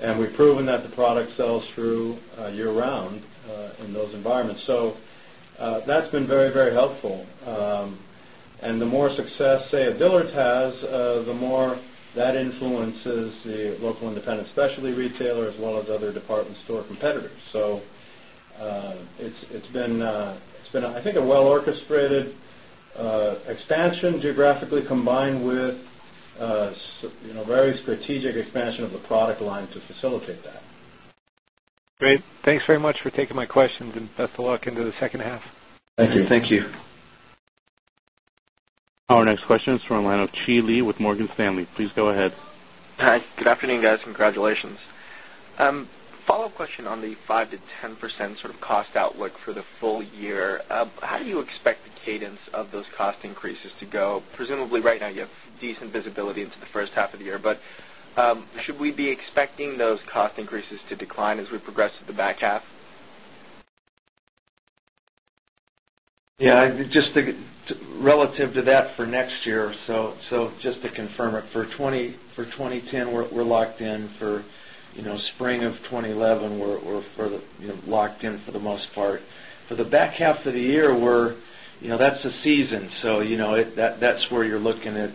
and we've proven that the product sells through year round in those environments. So that's been very, very helpful. And the more success say a Dillard's has, the more that influences the local independent specialty retailer as well as other department store competitors. So it's been I think a well orchestrated expansion geographically combined with very strategic expansion of the product line to facilitate that. Great. Thanks very much for taking my questions and best of luck into the second half. Thank you. Thank you. Our next question is from the line of Chi Lee with Morgan Stanley. Please go ahead. Hi. Good afternoon, guys. Congratulations. Follow-up question on the 5% to 10% sort of cost outlook for the full year. How do you expect the cadence of those cost increases to go? Presumably, right now, you have decent visibility into the first half of the year. But should we be expecting those cost increases to decline as we progress through the back half? Yes. Just relative to that for next year, so just to confirm it for 2010, we're locked in for spring of 2011, we're locked in for the most part. For the back half of the year, we're that's the season. So, that's where you're looking at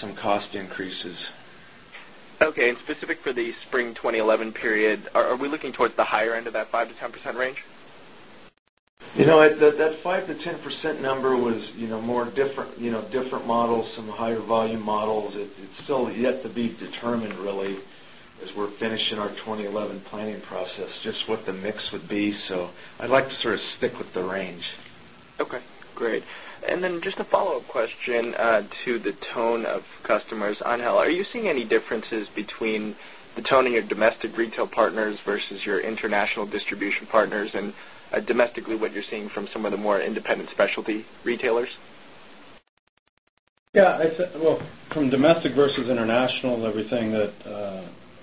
some cost increases. Okay. And specific for the spring 2011 period, are we looking towards the higher end of that 5% to 10% range? That 5% to 10% number was more different models, some higher volume models. It's still yet to be determined really as we're finishing our 2011 planning process just what the mix would be. So, I'd like to sort of stick with the range. Okay, great. And then just a follow-up question to the tone of customers, Angel. Are you seeing any differences between the tone of your domestic retail partners versus your international distribution partners and domestically what you're seeing from some of the more independent specialty retailers? Yes. Well, from domestic versus international, everything that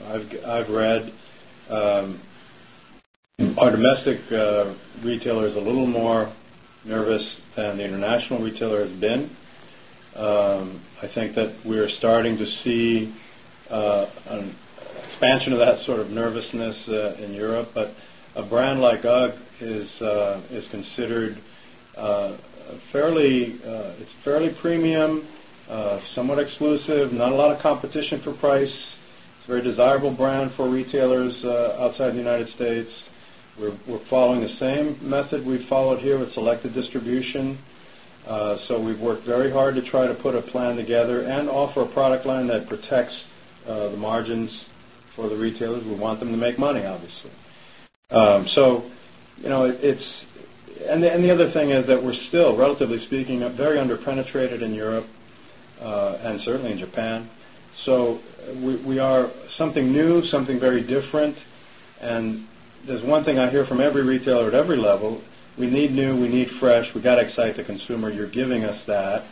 I've read, our domestic retailer is a little more nervous than the international retailer has been. I think that we are starting to see an expansion of that sort of nervousness in Europe, but a brand like UGG is considered fairly premium, somewhat exclusive, not a lot of competition for price, very desirable brand for retailers outside the United States. We're following the same method we followed here with selected distribution. So we've worked very hard to try to put a plan together and offer a product line that protects the margins for the retailers. We want them to make money obviously. So it's and the other thing is that we're still relatively speaking, very under penetrated in Europe and certainly in Japan. So we are something new, something very different. And there's one thing I hear from every retailer at every level, we need new, we need fresh, we got to excite the consumer, you're giving us that.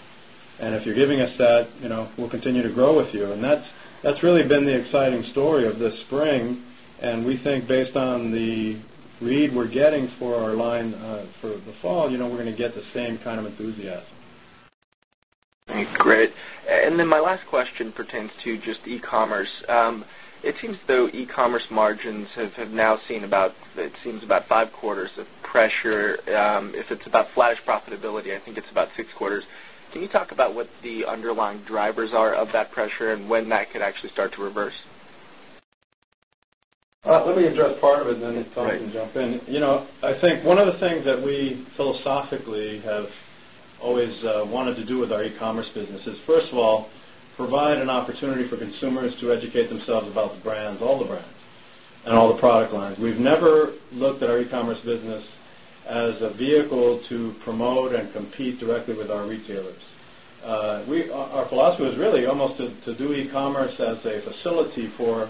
And if you're giving us that, we'll continue to grow with you. And that's really been the exciting story of this spring. And we think based on the commerce. It seems though e commerce margins have had just e commerce. It seems though e commerce margins have now seen about it seems about 5 quarters of pressure. If it's about flattish profitability, I think it's about 6 quarters. Can you talk about what underlying drivers are of that pressure and when that could actually start to reverse? Let me address part of it and then Tom can jump in. I think one of the things that we philosophically have always wanted to do with our e commerce business is first of all, provide an opportunity for consumers to educate themselves about the brands, all the brands and all the product lines. We've never looked at our e commerce business as a vehicle to promote and compete directly with our retailers. Our philosophy is really almost to do e commerce as a facility for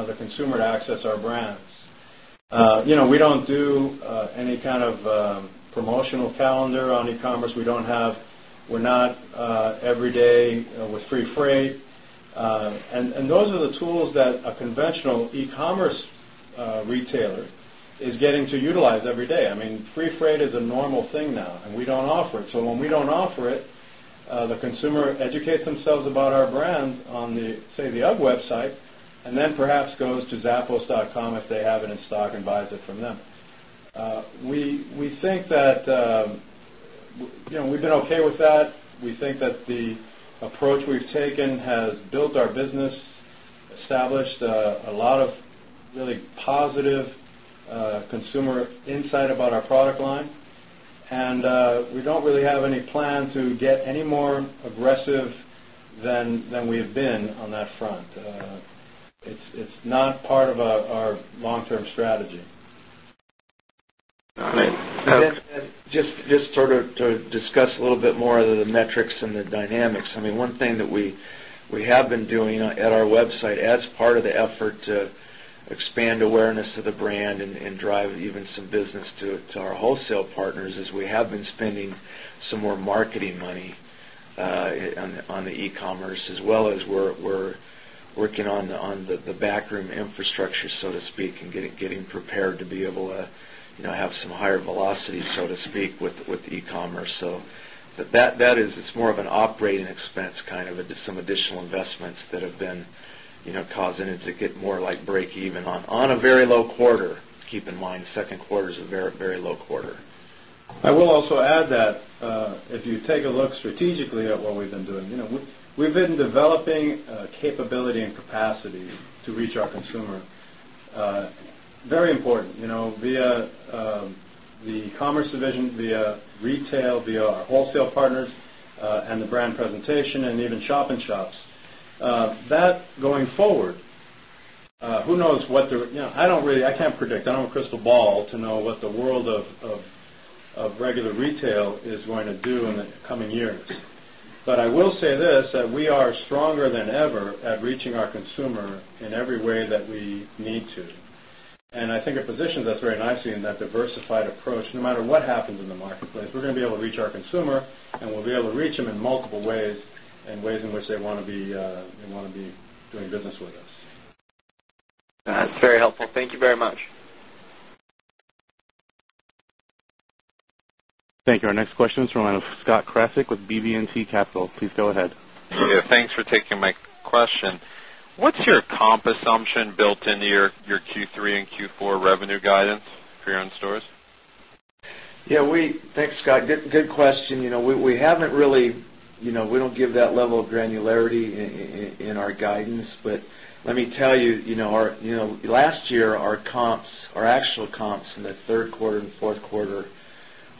the consumer to access our brands. We don't do any kind of promotional calendar on e commerce. We don't have we're not every day with free freight. And those are the tools that a conventional e commerce ecommerce retailer is getting to utilize every day. I mean free freight is a normal thing now and we don't offer it. So when we don't offer it, the consumer educates themselves about our brand on the say the UGG website and then perhaps goes to zappos.com if they have it in stock and buys it from them. We think that we've been okay with that. We think that the approach we've taken has built our business, established a lot of really positive consumer insight about our product line. And we don't really have any plan to get any more aggressive than we have been on that front. It's not part of our long term strategy. Just sort of to discuss a little bit more of the metrics and the dynamics. I mean, one thing that we have been doing at our website as part of the effort to expand awareness of the brand and drive even some business to our wholesale partners as we have been spending some more marketing money on the e commerce as well as we're working on the backroom infrastructure so to speak and getting prepared to be able to have some higher velocity so to speak with e commerce. So that is more of an operating expense kind of some additional investments that have been causing it to get more like breakeven on a very low quarter. Keep in mind, the 2nd quarter is a very, very low quarter. I will also add that if you take a look strategically at what we've been doing, we've been developing capability and capacity to reach our consumer. Very important via the commerce division, via retail, via our wholesale partners and the brand presentation and even shop in shops that going forward, who knows what the I don't really I can't predict. I don't have a crystal ball to know what the world of regular retail is going to do in the coming years. But I will say this that we are stronger than ever at reaching our consumer in every way that we need to. And I think it positions us very nicely in that diversified approach. No matter what happens in the marketplace, we're going to be able to reach our consumer and we'll be able to reach them in multiple ways and ways in which they want to be doing business with us. That's very helpful. Thank you very much. Thank you. Our next question is from the line of Scott Craseck with BB and T Capital. Please go ahead. Yes. Thanks for taking my question. What's your comp assumption built into your Q3 and Q4 revenue guidance for your own stores? Yes, we thanks, Scott. Good question. We haven't really we don't give that level of granularity in our guidance. But let me tell you, last year our comps, our actual comps in the Q3 and Q4,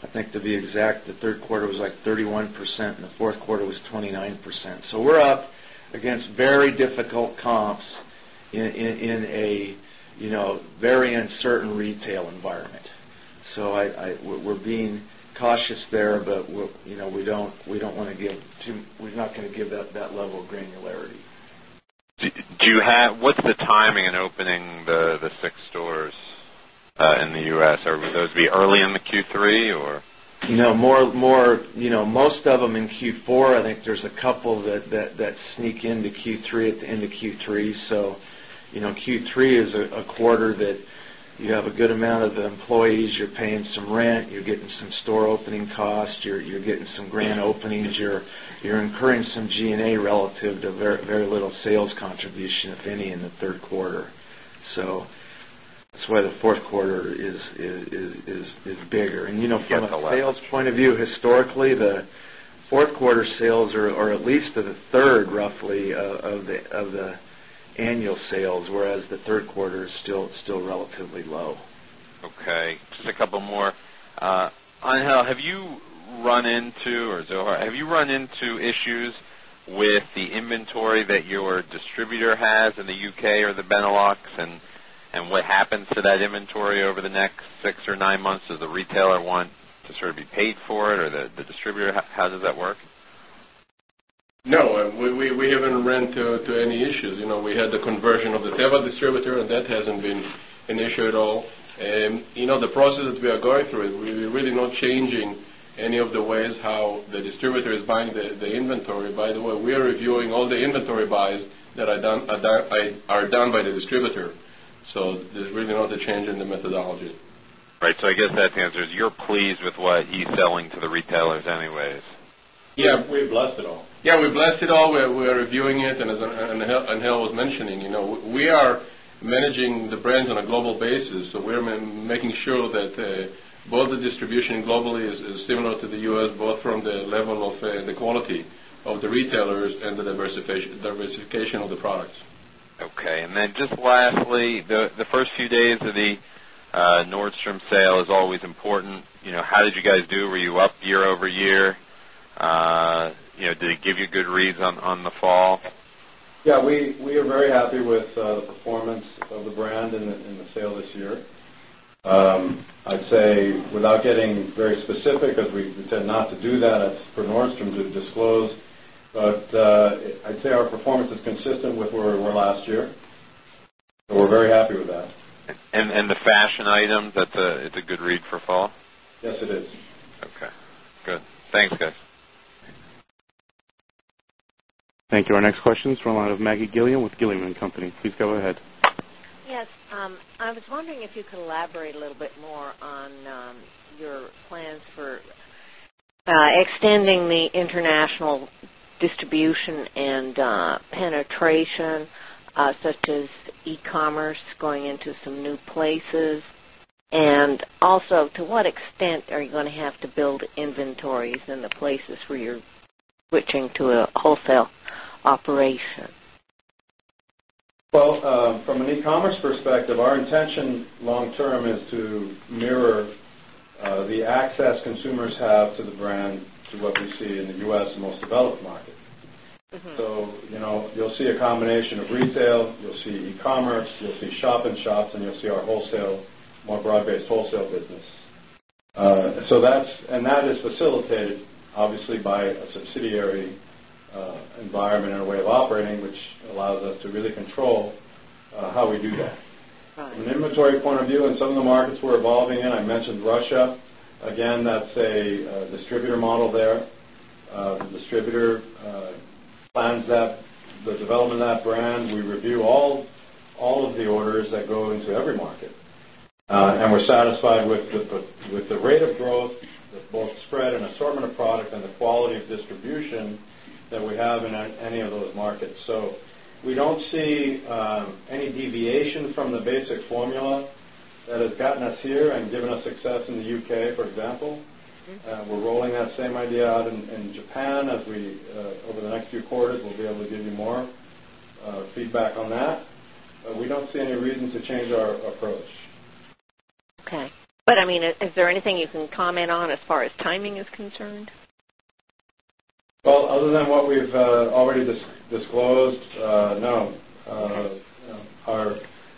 I think to be exact, the Q3 was like 31% and the Q4 was 29%. So we're up against very difficult comps in a very uncertain retail environment. So, we're being cautious there, but we don't want to give to we're not going to give that level of granularity. Do you have what's the timing in opening the 6 stores in the U. S? Are those be early in the Q3 or? More most of them in Q4, I think there's a couple that sneak into Q3 at the end of Q3. So Q3 is a quarter that you have a good amount of the employees, you're paying some rent, you're getting some store opening costs, you're getting some grand openings, you're incurring some G and A relative to very little sales contribution, if any, in the Q3. So that's why the Q4 is bigger. And from a sales point of view, historically, the Q4 sales are at least to the 3rd roughly of the annual sales, whereas the Q3 is still relatively low. Okay. Just a couple more. Angel, have you run into or Zohar, have you run into issues with the inventory that your distributor has in the U. K. Or the Benelux? And what happens to that inventory over the next 6 or 9 months? Does the retailer want to sort of be paid for it or the distributor? How does that work? No. We haven't ran to any issues. We had the conversion of the Teva distributor and that hasn't been an issue at all. The process that we are going through is we're really not changing any of the ways how the distributor is buying the inventory. By the way, we are reviewing all the inventory buys that are done by the distributor. So there's really not a change in the methodology. So I guess that answers, you're pleased with what he's selling to the retailers anyways? Yes, we've blessed it all. Yes, we've blessed it all. We are reviewing it. And as Angel was mentioning, we are managing the brands on a global basis. So we're making sure that both the distribution globally is similar to the U. S, both from the level of the quality of the retailers and the diversification of the products. Okay. And then just lastly, the first few days of the Nordstrom sale is always important. How did you guys do? Were you up year over year? Did it give you good reason on the fall? Yes. We are very happy with the performance of the brand and the sale this year. I'd say without getting very specific as we tend not to do that for Nordstrom to disclose, but I'd say our performance is consistent with where we were last year. We're very happy with that. And the fashion items, that's a good read for fall? Yes, it is. Okay, good. Thanks guys. Thank you. Our next question is from the line of Maggie Gilliam with Gilliam and Company. Please go ahead. Yes. I was wondering if you could elaborate a little bit more on your plans for extending the international distribution and penetration such as e commerce going into some new places? And also to what extent are you going to have to build inventories in the places where you're switching to a wholesale operation? Well, from an e commerce perspective, our intention long term is to mirror the access consumers have to the brand to what we see in the U. S. Most developed market. So you'll see a combination of retail, you'll see e commerce, you'll see shop in shops and you'll see our wholesale, more broad based wholesale business. So that's and that is facilitated obviously by a subsidiary environment and a way of operating, which allows us to really control how we do that. From an inventory point of view and some of the markets we're evolving and I mentioned Russia, again, that's a distributor model there. The distributor plans that the development of that brand, we review all of the orders that go into every market. And we're satisfied with the rate of growth, both spread and assortment of product and the quality of distribution that we have in any of those markets. So we don't see any deviation from the basic formula that has gotten us here and given us success in the UK, for example. We're rolling that same idea out in Japan as we over the next few quarters, we'll be able to give you more feedback on that. We don't see any reason to change our approach. Okay. But I mean is there anything you can comment on as far as timing is concerned? Well, other than what we've already disclosed, no.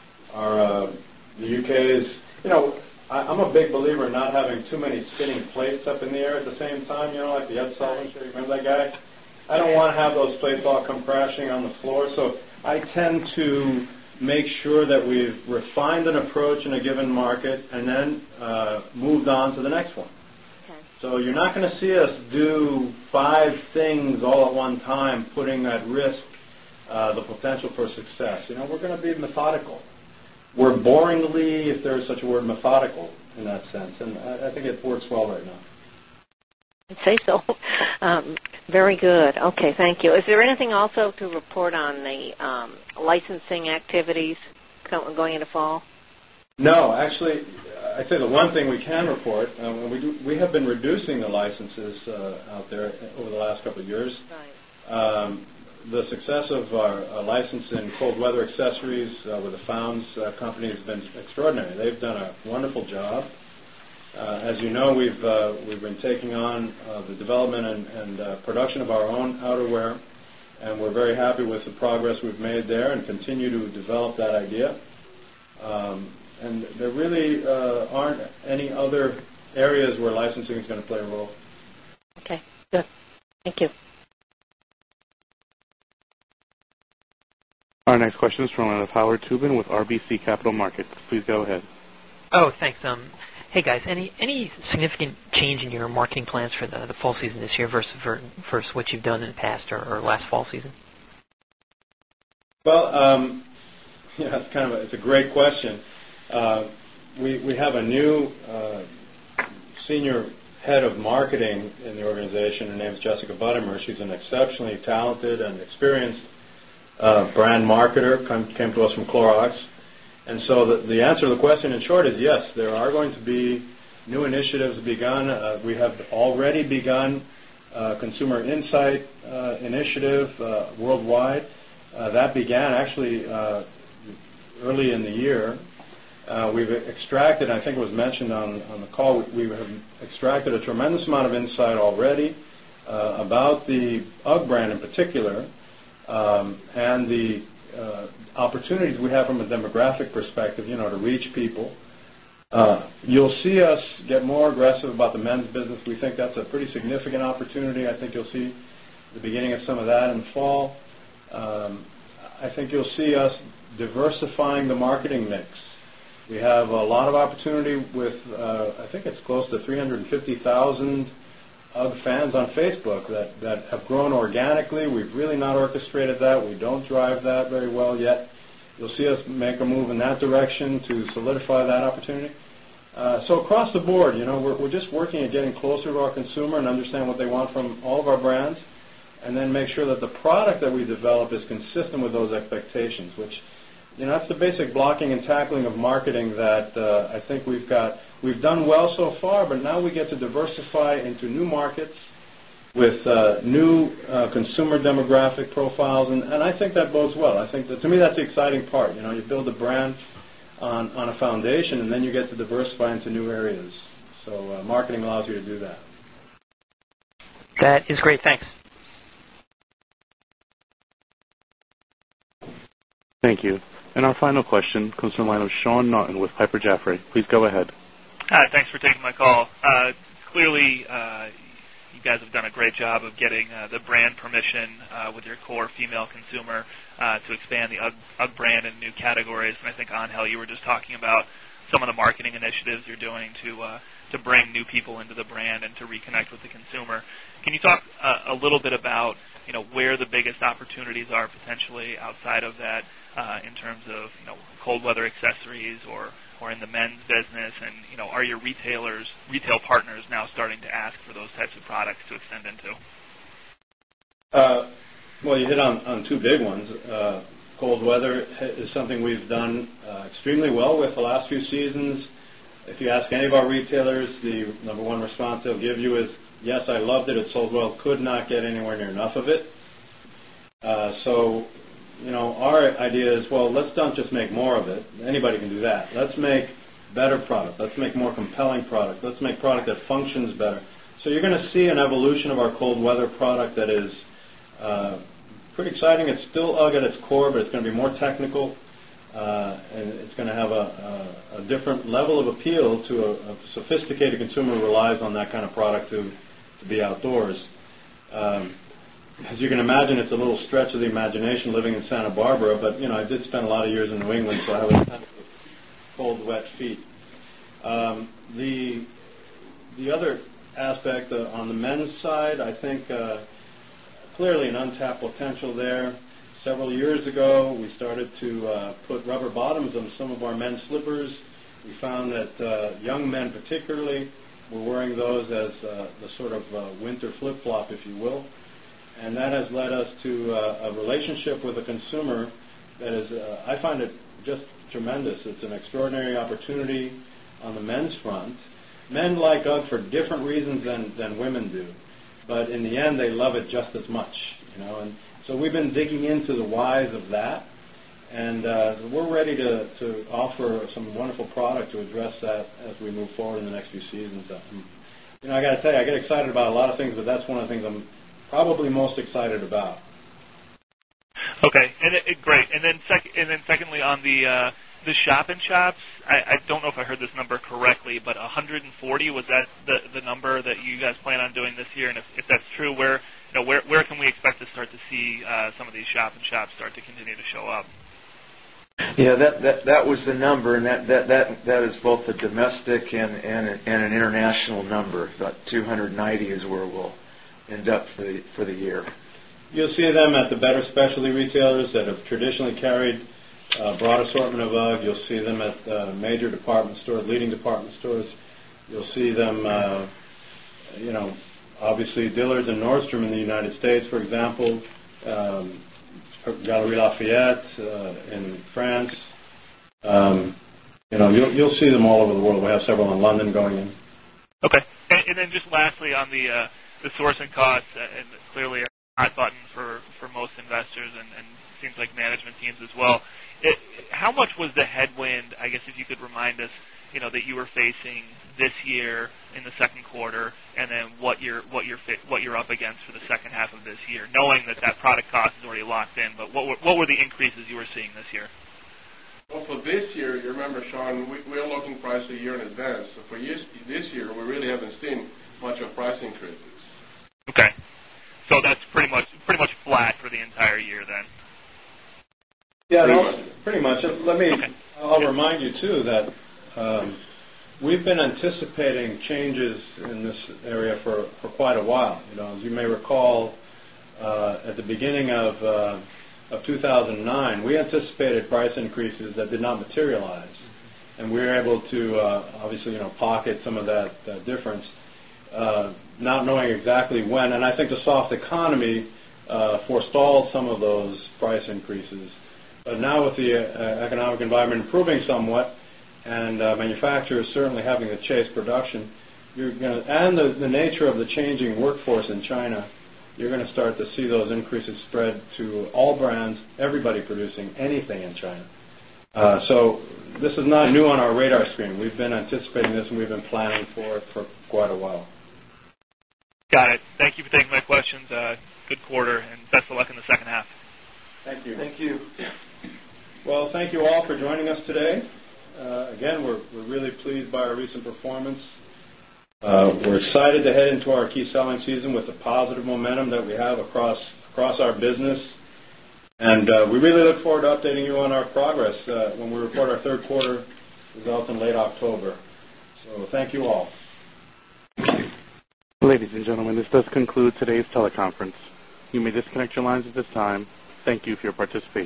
Our U. K. Is I'm a big believer in not having too many sitting plates up in the air at the same time, like the Epsilon, you remember that guy. I don't want to have those plates all come crashing on the floor. So I tend to make sure that we've refined an approach in a given market and then moved on to the next one. So you are not going to see us do 5 things all at one time putting at risk the potential for success. We are going to be methodical. We are boringly, if there is such a word methodical in that sense and I think it works well right now. I'd say so. Very good. Okay. Thank you. Is there anything also to report on the licensing activities going into fall? No. Actually, I'd say the one thing we can report, we have been reducing the licenses out there over the last couple of years. The success of our license in cold weather accessories with the founds company has been extraordinary. They've done a wonderful job. As you know, we've been taking on the development and production of our own outerwear and we're very happy with the progress we've made there and continue to develop that idea. And there really aren't any other areas where licensing is going to play a role. Okay. Good. Thank you. Our next question is from the line of Howard Toobin with RBC Capital Markets. Please go ahead. Thanks. Hey, guys. Any significant change in your marketing plans for the fall season this year versus what you've done in the past or last fall season? Well, it's kind of a it's a great question. We have a new senior head of marketing in the organization. Her name is Jessica Buttimer. She's an exceptionally talented and experienced brand marketer, came to us from Clorox. And so the answer to the question in short is yes, there are going to be new initiatives begun. We have already begun consumer insight initiative worldwide that began actually early in the year. We've extracted I think it was mentioned on the call, we have extracted a tremendous amount of insight already about the UGG brand in particular and the opportunities we have from a demographic perspective to reach people. You'll see us get more aggressive about the men's business. We think that's a pretty significant opportunity. I think you'll see the beginning of some of that in the fall. I think you'll see us diversifying the marketing mix. We have a lot of opportunity with I think it's close to 350,000 of fans on Facebook that have grown organically. We've really not orchestrated that. We don't drive that very well yet. You'll see us make a move in that direction to solidify that opportunity. So across the board, we're just working at getting closer to our consumer and understand what they want from all of our brands and then make sure that the product that we develop is consistent with those expectations, which that's the basic blocking and tackling of marketing that I think we've got we've done well so far, but now we get to diversify into new markets with new consumer demographic profiles and I think that bodes well. I think that to me that's the exciting part. You build the brand on a foundation and then you get to diversify into new areas. So marketing allows you to do that. That is great. Thanks. Thank you. And our final question comes from the line of Sean Naughton with Piper Jaffray. Please go ahead. Hi. Thanks for taking my call. Clearly, you guys have done a great job of getting the Clearly, you guys have done a great job of getting the brand permission with your core female consumer to expand the UGG brand in new categories. And I think, Angel, you were just talking about some of the marketing initiatives you're doing to bring new people into the brand and to reconnect with the consumer. Can you talk a little bit about where the biggest opportunities are potentially outside of that in terms of cold weather accessories or in the men's business? And are your retailers retail partners now starting to ask for those types of products to extend into? Well, you hit on 2 big ones. Cold weather is something we've done extremely well with the last few seasons. If you ask any of our retailers, the number one response they'll give you is, yes, I loved it, it sold well, could not get anywhere near enough of it. So our idea is, well, let's not just make more of it. Anybody can do that. Let's make better product. Let's make more compelling product. Let's make product that functions better. So you're going to see an evolution of our cold weather product that is pretty exciting. It's still at its core, but it's going to be more technical and it's going to have a different level of appeal to a sophisticated consumer relies on that kind of product to be outdoors. As you can imagine, it's a little stretch of the imagination living in Santa Barbara, but I did spend a lot of years in New England, so I was cold wet feet. The other aspect on the men's side, I think clearly an untapped potential there. Several years ago, we started to put rubber bottoms on some of our men's slippers. We found that young men particularly were wearing those as the sort of winter flip flop if you will and that has led us to a relationship with a consumer that is I find it just tremendous. It's an extraordinary opportunity on the men's front. Men like us for different reasons than women do. But in the end, they love it just as much. And so we've been digging into the whys of that and we're ready to offer some wonderful product to address that as we move forward in the next few seasons. I got to say, I get excited about a lot of things, but that's one of the things I'm probably most excited about. Okay. Great. And then secondly on the shop in shops, I don't know if I heard this number correctly, but correctly, but 140 was that the number that you guys plan on doing this year? And if that's true, where can we expect to start to see some of these shop in shops start to continue to show up? Yes, that was the number and that is both the domestic and an international number, but 290 is where we'll end up for the year. You'll see them at the better specialty retailers that have traditionally carried broad assortment of UGG. You'll see them at major department store, leading department stores. You'll see them obviously dealers in Nordstrom in the United States, for example, Valerie Lafayette in France, you'll see them all over the world. We have several in London going in. Okay. And then just lastly on the sourcing costs and clearly a high button for most investors and seems like management teams as well. How much was the headwind, I guess, if you could remind us that you were facing this year in the Q2 and then what you're up against for the second half of this year, knowing that that product cost is already locked in, but what were the increases you were seeing this year? Well, for this year, you remember, Sean, we are looking price a year in advance. So for this year, we really haven't seen much of price increases. Okay. So that's pretty much flat for the entire year then? Yes, pretty much. Let me I'll remind you too that we've been anticipating changes in this area for quite a while. As you may recall, at the beginning of 2,009, we anticipated price increases that did not materialize and we were able to obviously pocket some of that difference not knowing exactly when. And I think the soft economy forestalled some of those price increases. But now with the economic environment improving somewhat and manufacturers certainly having a chase production, you're going to and the nature of the changing workforce in China, you're going to start to see those increases spread to all brands, everybody producing anything in China. So this is not new on our radar screen. We've been anticipating this and we've been planning for it for quite a while. Got it. Thank you for taking my questions. Good quarter and best of luck in the second half. Thank you. Thank you. Well, thank you all for joining us today. Again, we're really pleased by our recent performance. We're excited to head into our key selling season with the positive momentum that we have across our business. And we really look forward to updating you on our progress when we report our Q3 results in late October. So thank you all. Ladies and gentlemen, this does conclude today's teleconference. You may disconnect your lines at this time. Thank you for your participation.